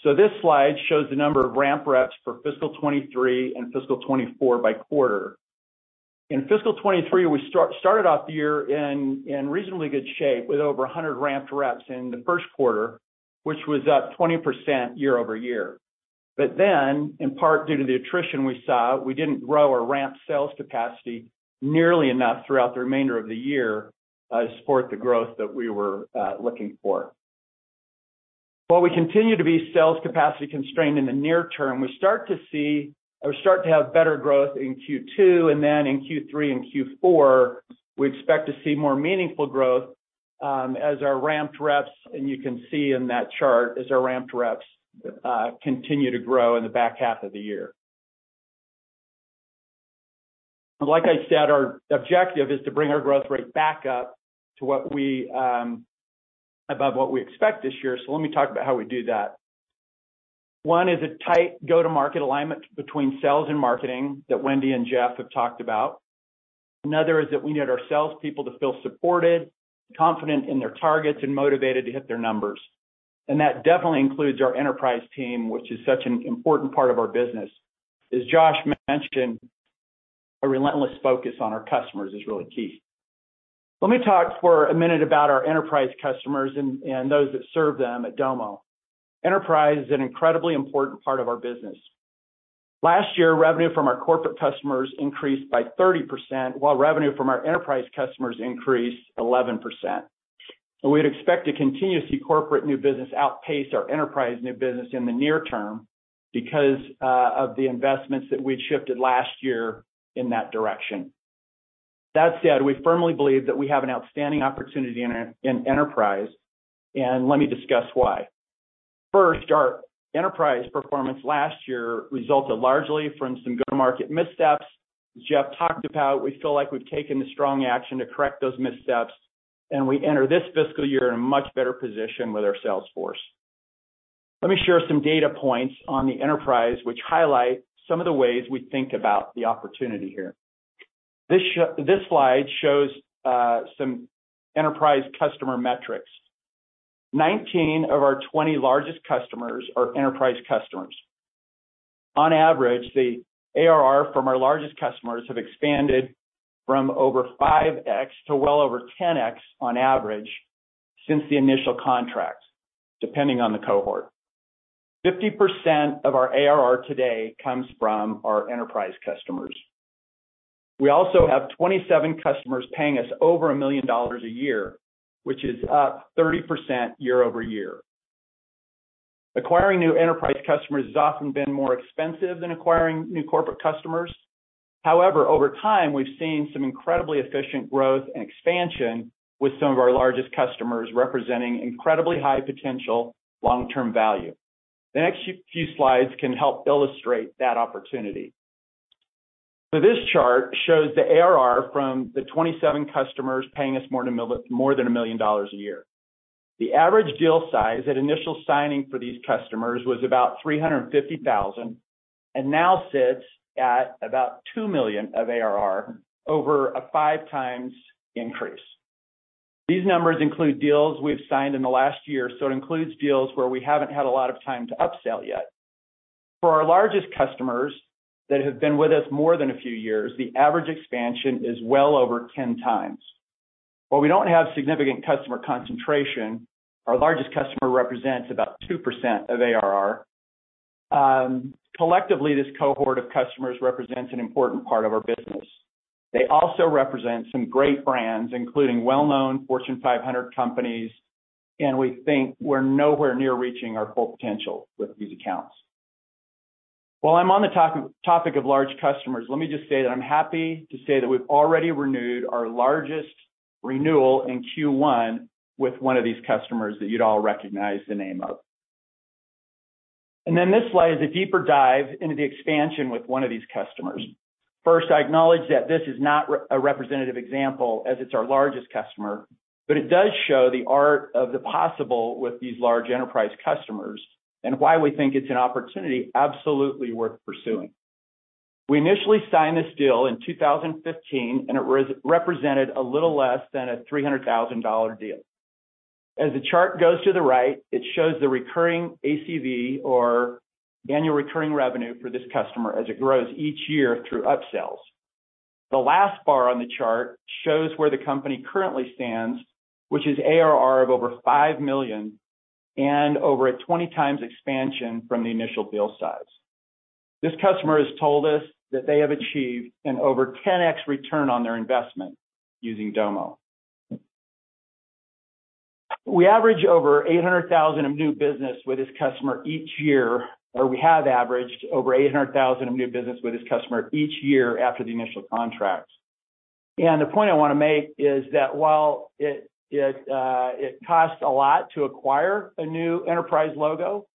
This slide shows the number of ramp reps for fiscal 2023 and fiscal 2024 by quarter. In fiscal 2023, we started off the year in reasonably good shape with over 100 ramped reps in the first quarter, which was up 20% year-over-year. In part due to the attrition we saw, we didn't grow our ramp sales capacity nearly enough throughout the remainder of the year to support the growth that we were looking for. While we continue to be sales capacity constrained in the near term, we start to see or start to have better growth in Q2, in Q3 and Q4, we expect to see more meaningful growth as our ramped reps, and you can see in that chart, as our ramped reps continue to grow in the back half of the year. Like I said, our objective is to bring our growth rate back up to what we above what we expect this year. Let me talk about how we do that. One is a tight go-to-market alignment between sales and marketing that Wendy and Jeff have talked about. Another is that we need our salespeople to feel supported, confident in their targets, and motivated to hit their numbers. That definitely includes our enterprise team, which is such an important part of our business. As Josh mentioned, a relentless focus on our customers is really key. Let me talk for a minute about our enterprise customers and those that serve them at Domo. Enterprise is an incredibly important part of our business. Last year, revenue from our corporate customers increased by 30%, while revenue from our enterprise customers increased 11%. We'd expect to continue to see corporate new business outpace our enterprise new business in the near term because of the investments that we'd shifted last year in that direction. That said, we firmly believe that we have an outstanding opportunity in enterprise, and let me discuss why. First, our enterprise performance last year resulted largely from some go-to-market missteps. As Jeff talked about, we feel like we've taken the strong action to correct those missteps, and we enter this fiscal year in a much better position with our sales force. Let me share some data points on the enterprise, which highlight some of the ways we think about the opportunity here. This slide shows some enterprise customer metrics. 19 of our 20 largest customers are enterprise customers. On average, the ARR from our largest customers have expanded from over 5x to well over 10x on average since the initial contracts, depending on the cohort. 50% of our ARR today comes from our enterprise customers. We also have 27 customers paying us over $1 million a year, which is up 30% year-over-year. Acquiring new enterprise customers has often been more expensive than acquiring new corporate customers. However, over time, we've seen some incredibly efficient growth and expansion with some of our largest customers, representing incredibly high potential long-term value. The next few slides can help illustrate that opportunity. This chart shows the ARR from the 27 customers paying us more than $1 million a year. The average deal size at initial signing for these customers was about $350,000, and now sits at about $2 million of ARR, over a 5x increase. These numbers include deals we've signed in the last year. It includes deals where we haven't had a lot of time to upsell yet. For our largest customers that have been with us more than a few years, the average expansion is well over 10x. While we don't have significant customer concentration, our largest customer represents about 2% of ARR. Collectively, this cohort of customers represents an important part of our business. They also represent some great brands, including well-known Fortune 500 companies. We think we're nowhere near reaching our full potential with these accounts. While I'm on the top-topic of large customers, let me just say that I'm happy to say that we've already renewed our largest renewal in Q1 with one of these customers that you'd all recognize the name of. This slide is a deeper dive into the expansion with one of these customers. First, I acknowledge that this is not a representative example, as it's our largest customer, but it does show the art of the possible with these large enterprise customers and why we think it's an opportunity absolutely worth pursuing. We initially signed this deal in 2015, and it represented a little less than a $300 thousand deal. As the chart goes to the right, it shows the recurring ACV or annual recurring revenue for this customer as it grows each year through upsells. The last bar on the chart shows where the company currently stands, which is ARR of over $5 million and over a 20 times expansion from the initial deal size. This customer has told us that they have achieved an over 10x return on their investment using Domo. We average over $800,000 of new business with this customer each year, or we have averaged over $800,000 of new business with this customer each year after the initial contract. The point I want to make is that while it costs a lot to acquire a new enterprise logo,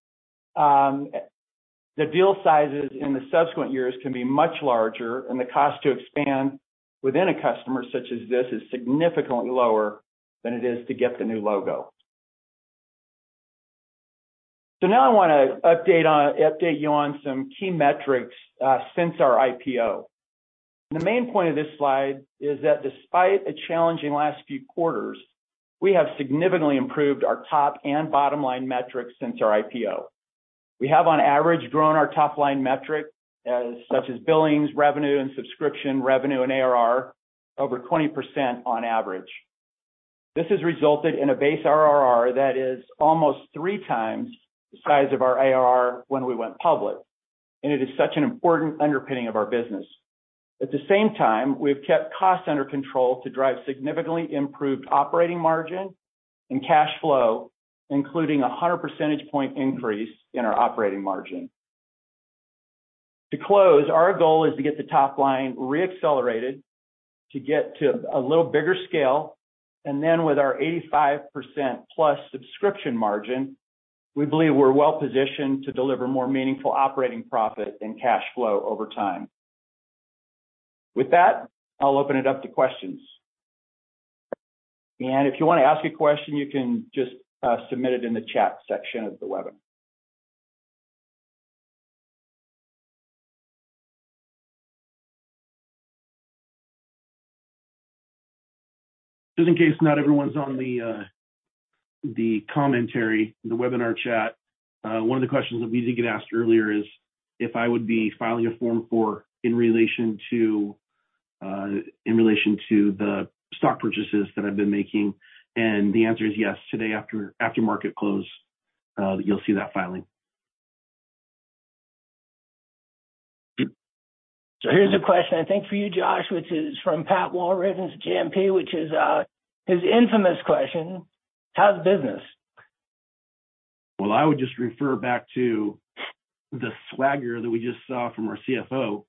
the deal sizes in the subsequent years can be much larger, and the cost to expand within a customer such as this is significantly lower than it is to get the new logo. Now I want to update you on some key metrics since our IPO. The main point of this slide is that despite a challenging last few quarters, we have significantly improved our top and bottom-line metrics since our IPO. We have, on average, grown our top-line metric, such as billings, revenue, and subscription revenue, and ARR over 20% on average. This has resulted in a base RRR that is almost three times the size of our ARR when we went public. It is such an important underpinning of our business. At the same time, we've kept costs under control to drive significantly improved operating margin and cash flow, including a 100 percentage point increase in our operating margin. To close, our goal is to get the top line re-accelerated to get to a little bigger scale. With our 85% plus subscription margin, we believe we're well-positioned to deliver more meaningful operating profit and cash flow over time. With that, I'll open it up to questions. If you want to ask a question, you can just submit it in the chat section of the webinar. Just in case not everyone's on the commentary, the webinar chat, one of the questions that we did get asked earlier is if I would be filing a Form 4 in relation to the stock purchases that I've been making. The answer is yes. Today after market close, you'll see that filing. Here's a question, I think, for you, Josh, which is from Pat Walravens at JMP, which is, his infamous question: How's business? Well, I would just refer back to the swagger that we just saw from our CFO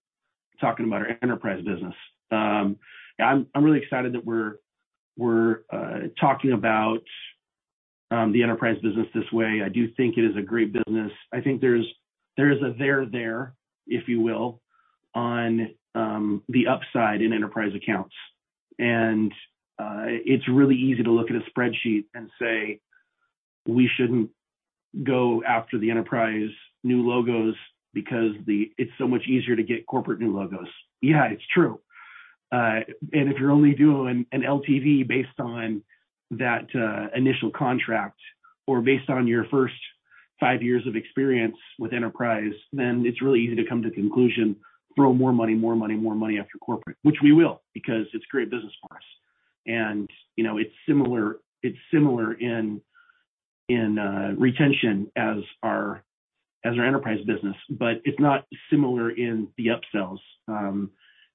talking about our enterprise business. I'm really excited that we're talking about the enterprise business this way. I do think it is a great business. I think there is a there there, if you will, on the upside in enterprise accounts. It's really easy to look at a spreadsheet and say, we shouldn't go after the enterprise new logos because it's so much easier to get corporate new logos. Yeah, it's true. If you're only doing an LTV based on that initial contract or based on your first five years of experience with enterprise, then it's really easy to come to the conclusion, throw more money, more money, more money after corporate, which we will, because it's great business for us. You know, it's similar in retention as our enterprise business, but it's not similar in the upsells.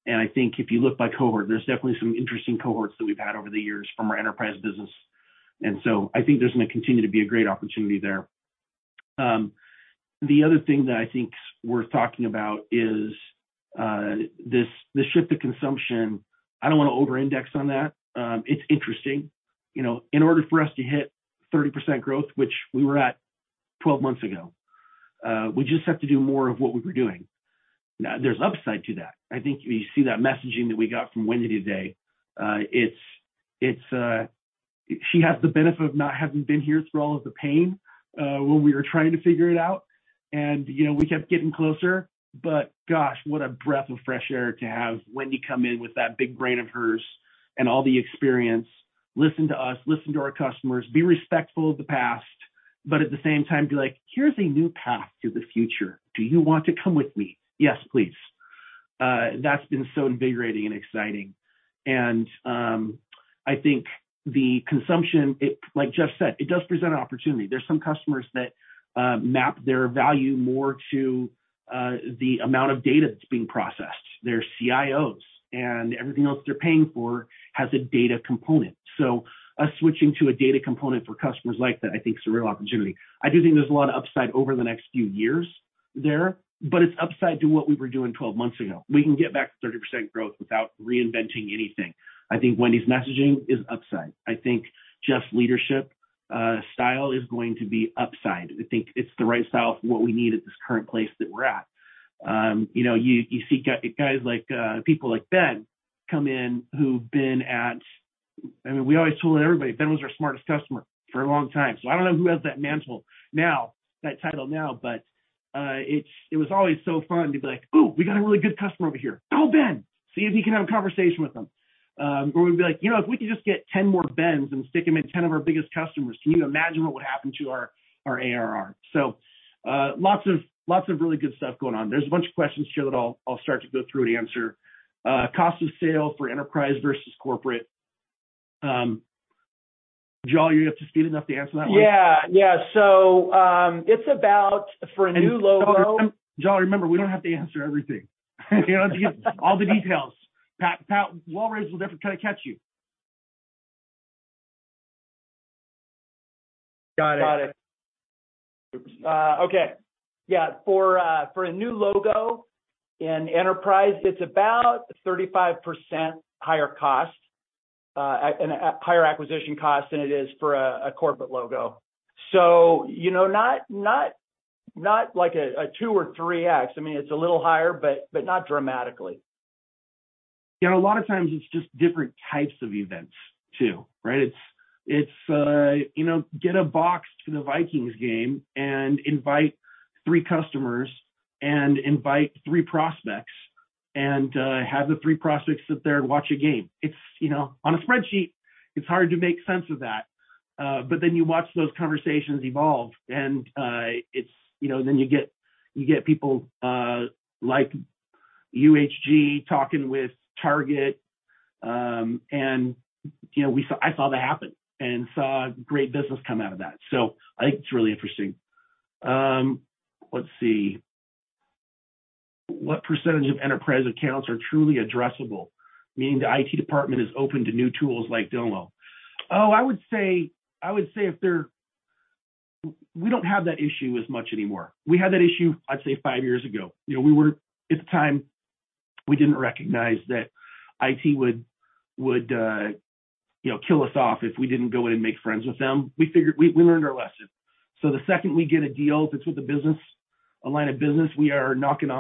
I think if you look by cohort, there's definitely some interesting cohorts that we've had over the years from our enterprise business. I think there's gonna continue to be a great opportunity there. The other thing that I think's worth talking about is this, the shift to consumption. I don't wanna over-index on that. It's interesting. You know, in order for us to hit 30% growth, which we were at 12-months ago, we just have to do more of what we were doing. Now, there's upside to that. I think you see that messaging that we got from Wendy today, it's... She has the benefit of not having been here through all of the pain, when we were trying to figure it out. You know, we kept getting closer. Gosh, what a breath of fresh air to have Wendy come in with that big brain of hers and all the experience, listen to us, listen to our customers, be respectful of the past, but at the same time, be like, "Here's a new path to the future. Do you want to come with me?" "Yes, please." That's been so invigorating and exciting. I think the consumption, like Jeff said, it does present an opportunity. There's some customers that map their value more to the amount of data that's being processed, their CIOs. Everything else they're paying for has a data component. Us switching to a data component for customers like that, I think is a real opportunity. I do think there's a lot of upside over the next few years there, but it's upside to what we were doing 12-months ago. We can get back to 30% growth without reinventing anything. I think Wendy's messaging is upside. I think Jeff's leadership style is going to be upside. I think it's the right style for what we need at this current place that we're at. You know, you see guys like people like Ben come in who've been at... I mean, we always told everybody Ben was our smartest customer for a long time. I don't know who has that mantle now, that title now, but it was always so fun to be like, "Oh, we got a really good customer over here. Oh, Ben. See if you can have a conversation with him." Or we'd be like, "You know, if we could just get 10 more Bens and stick them in 10 of our biggest customers, can you imagine what would happen to our ARR?" Lots of really good stuff going on. There's a bunch of questions here that I'll start to go through and answer. Cost of sale for enterprise versus corporate. Joel, are you up to speed enough to answer that one? Yeah. Yeah. it's about for a new logo-. Joel, remember, we don't have to answer everything. You don't have to give all the details. Pat Walravens will definitely kinda catch you. Got it. Okay. Yeah. For a new logo in enterprise, it's about 35% higher cost and higher acquisition cost than it is for a corporate logo. You know, not like a 2x or 3x. I mean, it's a little higher, but not dramatically. You know, a lot of times it's just different types of events too, right? It's, it's, you know, get a box to the Vikings game and invite three customers and invite three prospects and, have the three prospects sit there and watch a game. It's, you know, on a spreadsheet, it's hard to make sense of that. You watch those conversations evolve and, it's, you know, then you get people like UHG talking with Target, and, you know, I saw that happen and saw great business come out of that. I think it's really interesting. Let's see. What % of enterprise accounts are truly addressable, meaning the IT department is open to new tools like Domo? Oh, I would say, if they're... We don't have that issue as much anymore. We had that issue, I'd say five years ago. You know, at the time, we didn't recognize that IT would, you know, kill us off if we didn't go in and make friends with them. We learned our lesson. The second we get a deal that's with the business, a line of business, we are knocking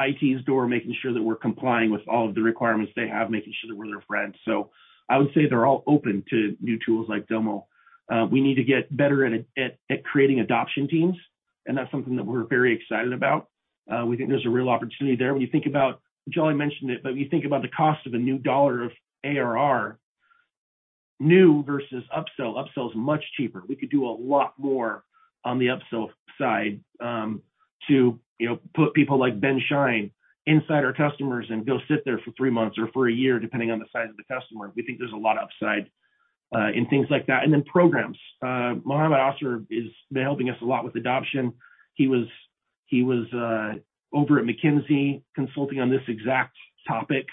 on IT's door, making sure that we're complying with all of the requirements they have, making sure that we're their friends. I would say they're all open to new tools like Domo. We need to get better at creating adoption teams, that's something that we're very excited about. We think there's a real opportunity there. When you think about... Jolley mentioned it, when you think about the cost of a new $1 of ARR, new versus upsell is much cheaper. We could do a lot more on the upsell side, to, you know, put people like Ben Schein inside our customers and go sit there for three months or for one year, depending on the size of the customer. We think there's a lot of upside in things like that. Programs. Mohammed Aaser is helping us a lot with adoption. He was over at McKinsey consulting on this exact topic,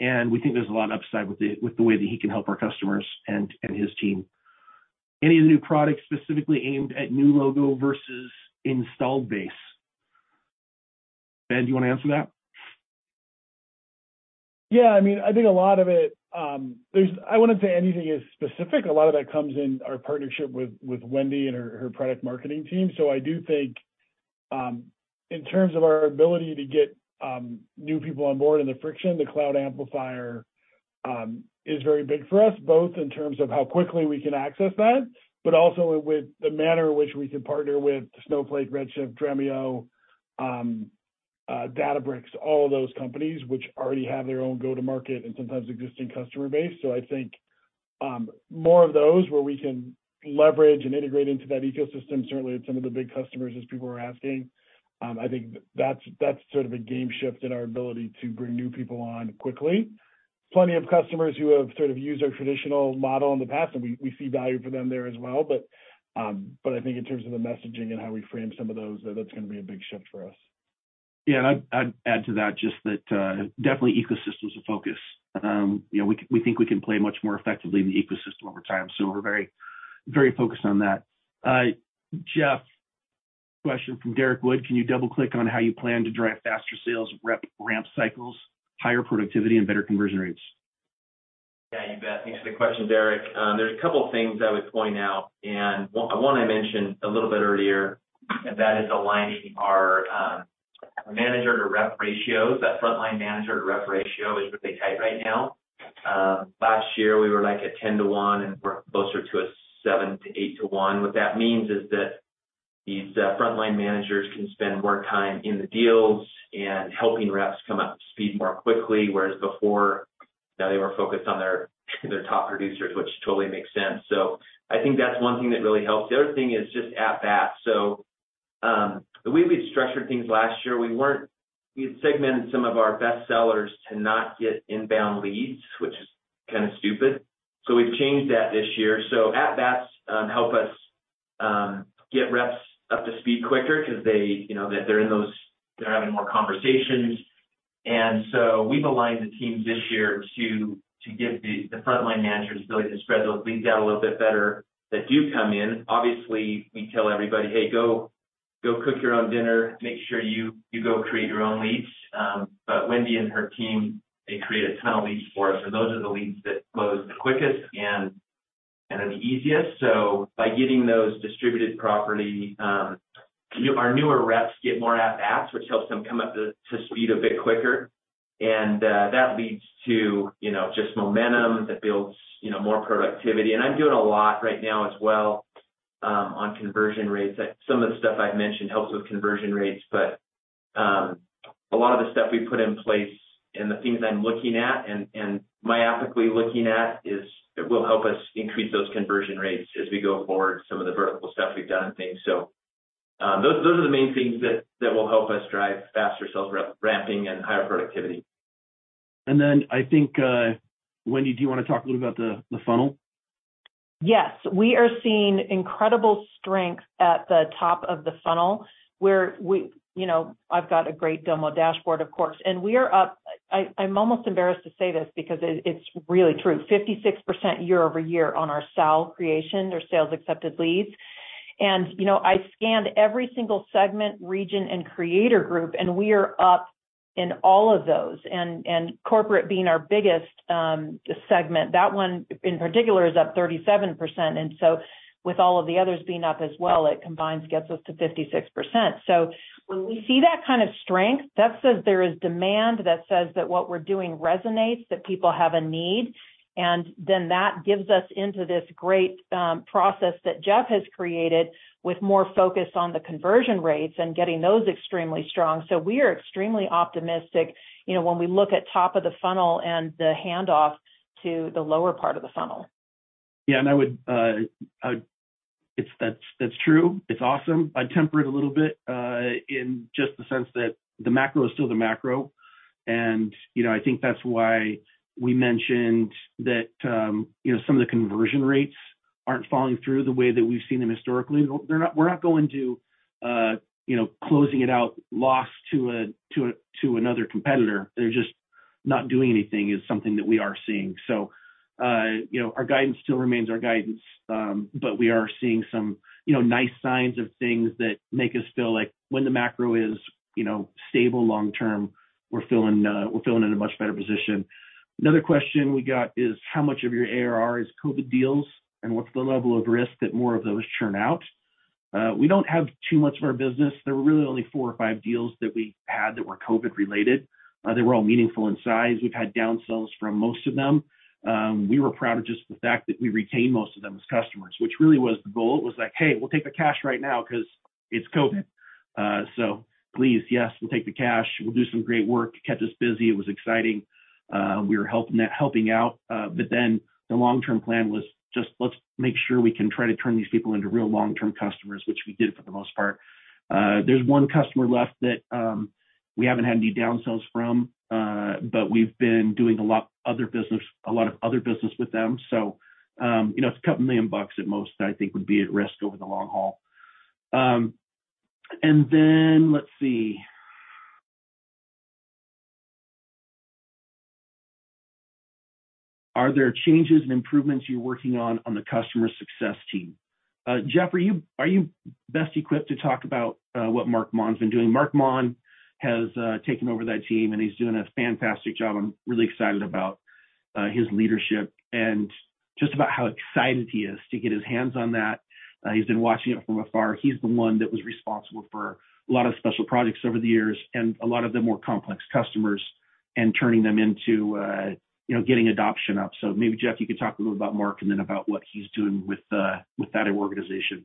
and we think there's a lot of upside with the, with the way that he can help our customers and his team. Any new products specifically aimed at new logo versus installed base? Ben, do you wanna answer that? Yeah. I mean, I think a lot of it, I wouldn't say anything is specific. A lot of that comes in our partnership with Wendy and her product marketing team. I do think, in terms of our ability to get new people on board and the friction, the Cloud Amplifier, is very big for us, both in terms of how quickly we can access that, but also with the manner in which we can partner with Snowflake, Redshift, Dremio, Databricks, all of those companies which already have their own go-to-market and sometimes existing customer base. I think more of those where we can leverage and integrate into that ecosystem, certainly at some of the big customers as people are asking, I think that's sort of a game shift in our ability to bring new people on quickly. Plenty of customers who have sort of used our traditional model in the past, and we see value for them there as well. I think in terms of the messaging and how we frame some of those, that's going to be a big shift for us. Yeah. I'd add to that just that definitely ecosystem is a focus. You know, we think we can play much more effectively in the ecosystem over time. We're very, very focused on that. Jeff, question from Derrick Wood: Can you double-click on how you plan to drive faster sales rep ramp cycles, higher productivity, and better conversion rates? Yeah, you bet. Thanks for the question, Derrick. There's a couple things I would point out, one I mentioned a little bit earlier, and that is aligning our manager-to-rep ratios. That frontline manager-to-rep ratio is pretty tight right now. Last year we were like a 10 to one, and we're closer to a seven to eight to one. What that means is that these frontline managers can spend more time in the deals and helping reps come up to speed more quickly, whereas before, you know, they were focused on their top producers, which totally makes sense. I think that's one thing that really helps. The other thing is just at bats. The way we structured things last year, we had segmented some of our best sellers to not get inbound leads, which is kind of stupid. We've changed that this year. At bats, help us get reps up to speed quicker 'cause they, you know, they're in those. They're having more conversations. We've aligned the teams this year to give the frontline managers ability to spread those leads out a little bit better that do come in. Obviously, we tell everybody, "Hey, go cook your own dinner. Make sure you go create your own leads." Wendy and her team, they create a ton of leads for us, and those are the leads that close the quickest and are the easiest. By getting those distributed properly, our newer reps get more at bats, which helps them come up to speed a bit quicker. That leads to, you know, just momentum that builds, you know, more productivity. I'm doing a lot right now as well on conversion rates. Some of the stuff I've mentioned helps with conversion rates, but a lot of the stuff we put in place and the things I'm looking at and myopically looking at is it will help us increase those conversion rates as we go forward, some of the vertical stuff we've done and things. Those are the main things that will help us drive faster sales rep ramping and higher productivity. I think, Wendy, do you wanna talk a little about the funnel? Yes. We are seeing incredible strength at the top of the funnel. You know, I've got a great Domo dashboard, of course. We are up, I'm almost embarrassed to say this because it's really true, 56% year-over-year on our SAL creation or sales accepted leads. You know, I scanned every single segment, region, and creator group, and we are up in all of those. Corporate being our biggest segment, that one in particular is up 37%. With all of the others being up as well, it combines, gets us to 56%. When we see that kind of strength, that says there is demand, that says that what we're doing resonates, that people have a need. That gives us into this great process that Jeff has created with more focus on the conversion rates and getting those extremely strong. We are extremely optimistic, you know, when we look at top of the funnel and the handoff to the lower part of the funnel. Yeah. I would. That's true. It's awesome. I'd temper it a little bit in just the sense that the macro is still the macro. You know, I think that's why we mentioned that, you know, some of the conversion rates aren't following through the way that we've seen them historically. We're not going to, you know, closing it out lost to another competitor. They're just not doing anything is something that we are seeing. You know, our guidance still remains our guidance, but we are seeing some, you know, nice signs of things that make us feel like when the macro is, you know, stable long term, we're feeling in a much better position. Another question we got is how much of your ARR is COVID deals, and what's the level of risk that more of those churn out? We don't have too much of our business. There were really only four or five deals that we had that were COVID related. They were all meaningful in size. We've had down sales from most of them. We were proud of just the fact that we retained most of them as customers, which really was the goal. It was like, "Hey, we'll take the cash right now 'cause it's COVID." Please, yes, we'll take the cash. We'll do some great work. It kept us busy. It was exciting. We were helping out. The long-term plan was just let's make sure we can try to turn these people into real long-term customers, which we did for the most part. There's one customer left that we haven't had any downsells from, but we've been doing a lot of other business with them. You know, it's a couple million bucks at most, I think would be at risk over the long haul. Let's see. Are there changes and improvements you're working on on the customer success team? Jeff, are you best equipped to talk about what Mark Maughan's been doing? Mark Maughan has taken over that team, and he's doing a fantastic job. I'm really excited about his leadership and just about how excited he is to get his hands on that. He's been watching it from afar. He's the one that was responsible for a lot of special projects over the years and a lot of the more complex customers and turning them into, you know, getting adoption up. Maybe, Jeff, you could talk a little about Mark and then about what he's doing with that organization.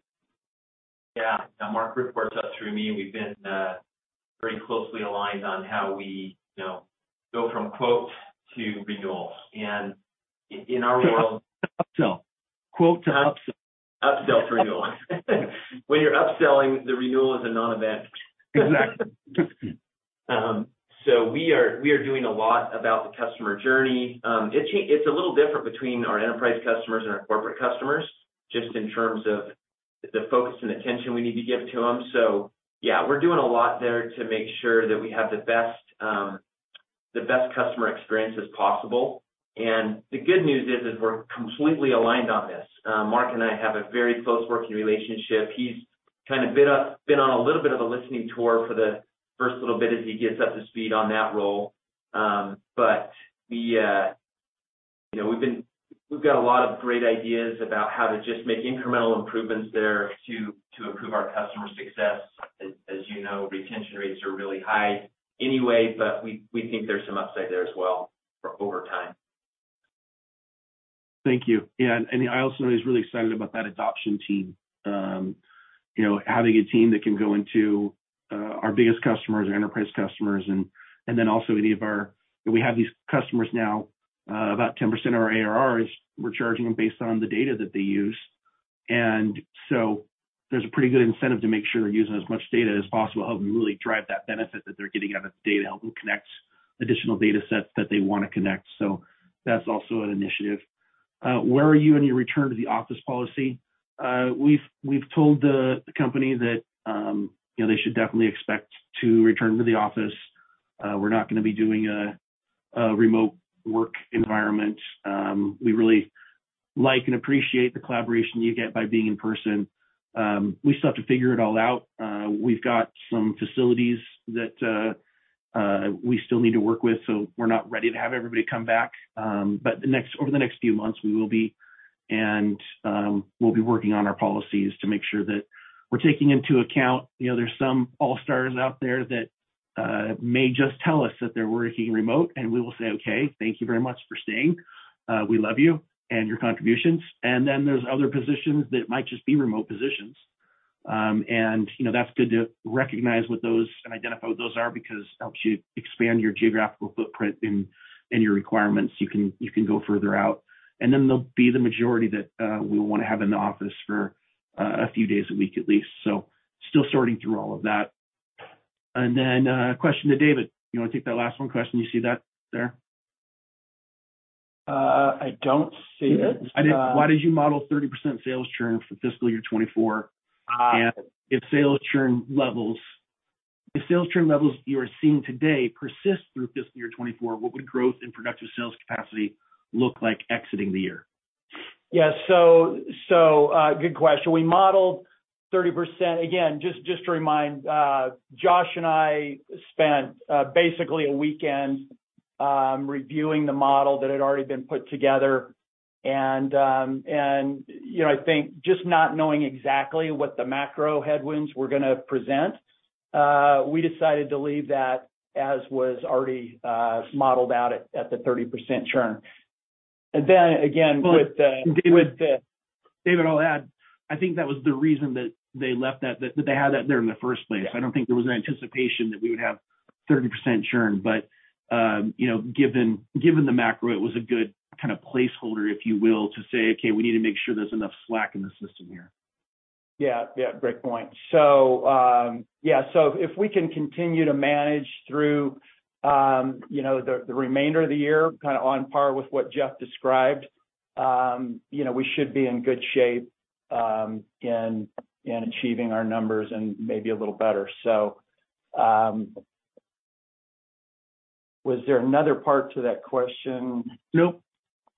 Yeah. Mark reports up through me, and we've been very closely aligned on how we, you know, go from quote to renewals. In our world. Upsell. Quote to upsell. Upsell to renewal. When you're upselling, the renewal is a non-event. Exactly. We are doing a lot about the customer journey. It's a little different between our enterprise customers and our corporate customers, just in terms of the focus and attention we need to give to them. Yeah, we're doing a lot there to make sure that we have the best customer experience as possible. The good news is we're completely aligned on this. Mark and I have a very close working relationship. He's kind of been on a little bit of a listening tour for the first little bit as he gets up to speed on that role. We, you know, we've got a lot of great ideas about how to just make incremental improvements there to improve our customer success. As you know, retention rates are really high anyway, we think there's some upside there as well for over time. Thank you. Yeah, I also know he's really excited about that adoption team. you know, having a team that can go into our biggest customers, our enterprise customers, and then also any of our. We have these customers now, about 10% of our ARR is we're charging them based on the data that they use. There's a pretty good incentive to make sure we're using as much data as possible, help them really drive that benefit that they're getting out of the data, help them connect additional datasets that they wanna connect. That's also an initiative. Where are you in your return to the office policy? We've told the company that, you know, they should definitely expect to return to the office. We're not gonna be doing a remote work environment. We really like and appreciate the collaboration you get by being in person. We still have to figure it all out. We've got some facilities that we still need to work with, so we're not ready to have everybody come back. Over the next few months, we will be. We'll be working on our policies to make sure that we're taking into account, you know, there's some all-stars out there that may just tell us that they're working remote, and we will say, "Okay, thank you very much for staying. We love you and your contributions." There's other positions that might just be remote positions. You know, that's good to recognize what those and identify what those are because it helps you expand your geographical footprint and your requirements. You can go further out. There'll be the majority that we wanna have in the office for a few days a week at least. Still sorting through all of that. Question to David. You wanna take that last one question? You see that there? I don't see it. I did. Why did you model 30% sales churn for fiscal year 2024? Uh-. If sales churn levels you are seeing today persist through fiscal year 2024, what would growth in productive sales capacity look like exiting the year? Yeah. Good question. We modeled 30%. Again, just to remind, Josh and I spent basically a weekend reviewing the model that had already been put together. You know, I think just not knowing exactly what the macro headwinds were gonna present, we decided to leave that as was already modeled out at the 30% churn. Again, with the. Well, David-. With the-. David, I'll add, I think that was the reason that they left that they had that there in the first place. Yeah. I don't think there was an anticipation that we would have 30% churn. You know, given the macro, it was a good kind of placeholder, if you will, to say, "Okay, we need to make sure there's enough slack in the system here. Yeah. Yeah. Great point. Yeah, so if we can continue to manage through, you know, the remainder of the year, kind of on par with what Jeff described, you know, we should be in good shape, in achieving our numbers and maybe a little better. Was there another part to that question? Nope.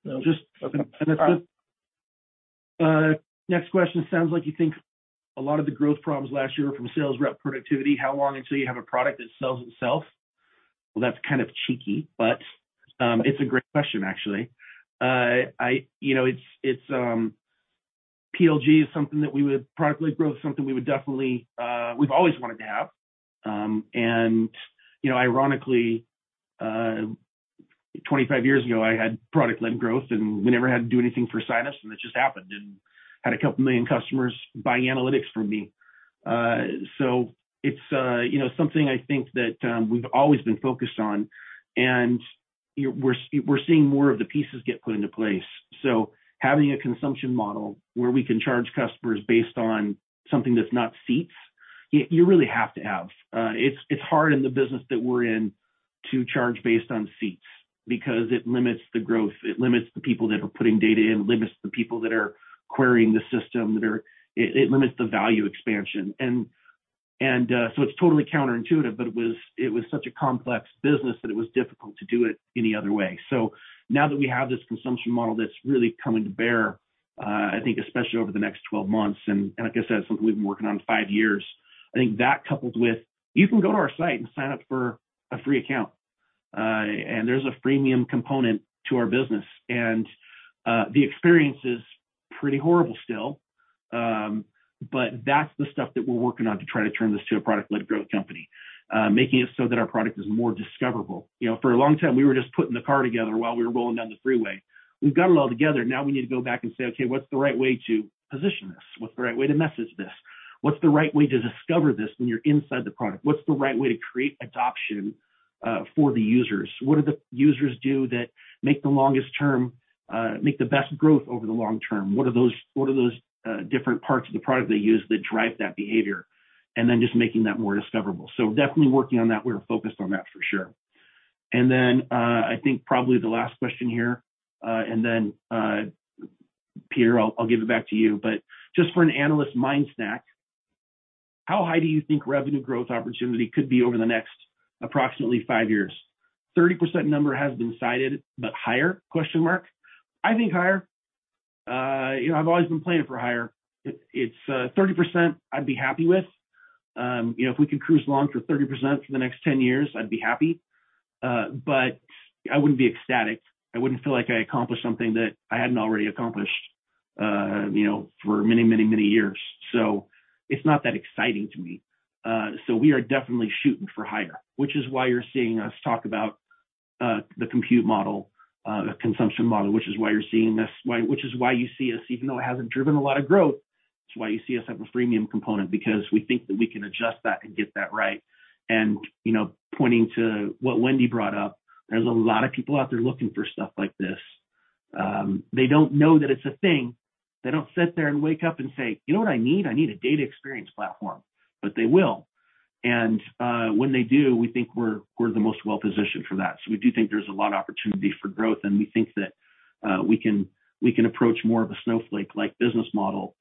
No. Okay. All right. That's it. Next question. Sounds like you think a lot of the growth problems last year were from sales rep productivity. How long until you have a product that sells itself? Well, that's kind of cheeky, but it's a great question, actually. You know, it's PLG is something that product-led growth is something we would definitely, we've always wanted to have. You know, ironically, 25-years ago, I had product-led growth, and we never had to do anything for sinus, and it just happened, and had a couple million customers buying analytics from me. It's, you know, something I think that we've always been focused on, and we're seeing more of the pieces get put into place. Having a consumption model where we can charge customers based on something that's not seats, you really have to have. It's hard in the business that we're in to charge based on seats because it limits the growth, it limits the people that are putting data in, limits the people that are querying the system, that are. It limits the value expansion. It's totally counterintuitive, but it was such a complex business that it was difficult to do it any other way. Now that we have this consumption model that's really coming to bear, I think especially over the next 12-months, and like I said, it's something we've been working on five years. I think that coupled with, you can go to our site and sign up for a free account, and there's a freemium component to our business. The experience is pretty horrible still, but that's the stuff that we're working on to try to turn this to a product-led growth company, making it so that our product is more discoverable. You know, for a long time, we were just putting the car together while we were rolling down the freeway. We've got it all together. Now we need to go back and say, "Okay, what's the right way to position this? What's the right way to message this? What's the right way to discover this when you're inside the product? What's the right way to create adoption for the users? What do the users do that make the longest term, make the best growth over the long term? What are those, what are those different parts of the product they use that drive that behavior? Just making that more discoverable. Definitely working on that. We're focused on that for sure. I think probably the last question here, Peter, I'll give it back to you. Just for an analyst mind snack, how high do you think revenue growth opportunity could be over the next approximately five years? 30% number has been cited, but higher? I think higher. You know, I've always been planning for higher. It's 30% I'd be happy with. You know, if we can cruise along for 30% for the next 10-years, I'd be happy. I wouldn't be ecstatic. I wouldn't feel like I accomplished something that I hadn't already accomplished, you know, for many, many, many years. It's not that exciting to me. We are definitely shooting for higher, which is why you're seeing us talk about the compute model, consumption model, which is why you're seeing this, which is why you see us, even though it hasn't driven a lot of growth, it's why you see us have a freemium component because we think that we can adjust that and get that right. You know, pointing to what Wendy brought up, there's a lot of people out there looking for stuff like this. They don't know that it's a thing. They don't sit there and wake up and say, "You know what I need? I need a data experience platform." They will. When they do, we think we're the most well-positioned for that. We do think there's a lot of opportunity for growth, and we think that, we can approach more of a Snowflake-like business model,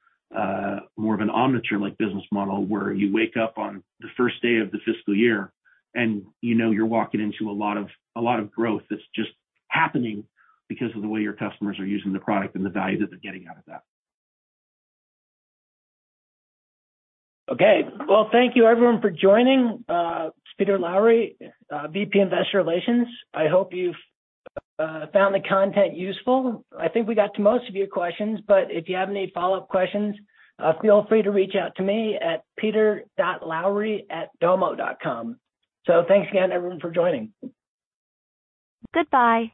more of an Omniture-like business model where you wake up on the first day of the fiscal year and you know you're walking into a lot of growth that's just happening because of the way your customers are using the product and the value that they're getting out of that. Okay. Well, thank you everyone for joining. Peter Lowry, VP Investor Relations. I hope you've found the content useful. I think we got to most of your questions, but if you have any follow-up questions, feel free to reach out to me at peter.lowry@domo.com. Thanks again, everyone, for joining. Goodbye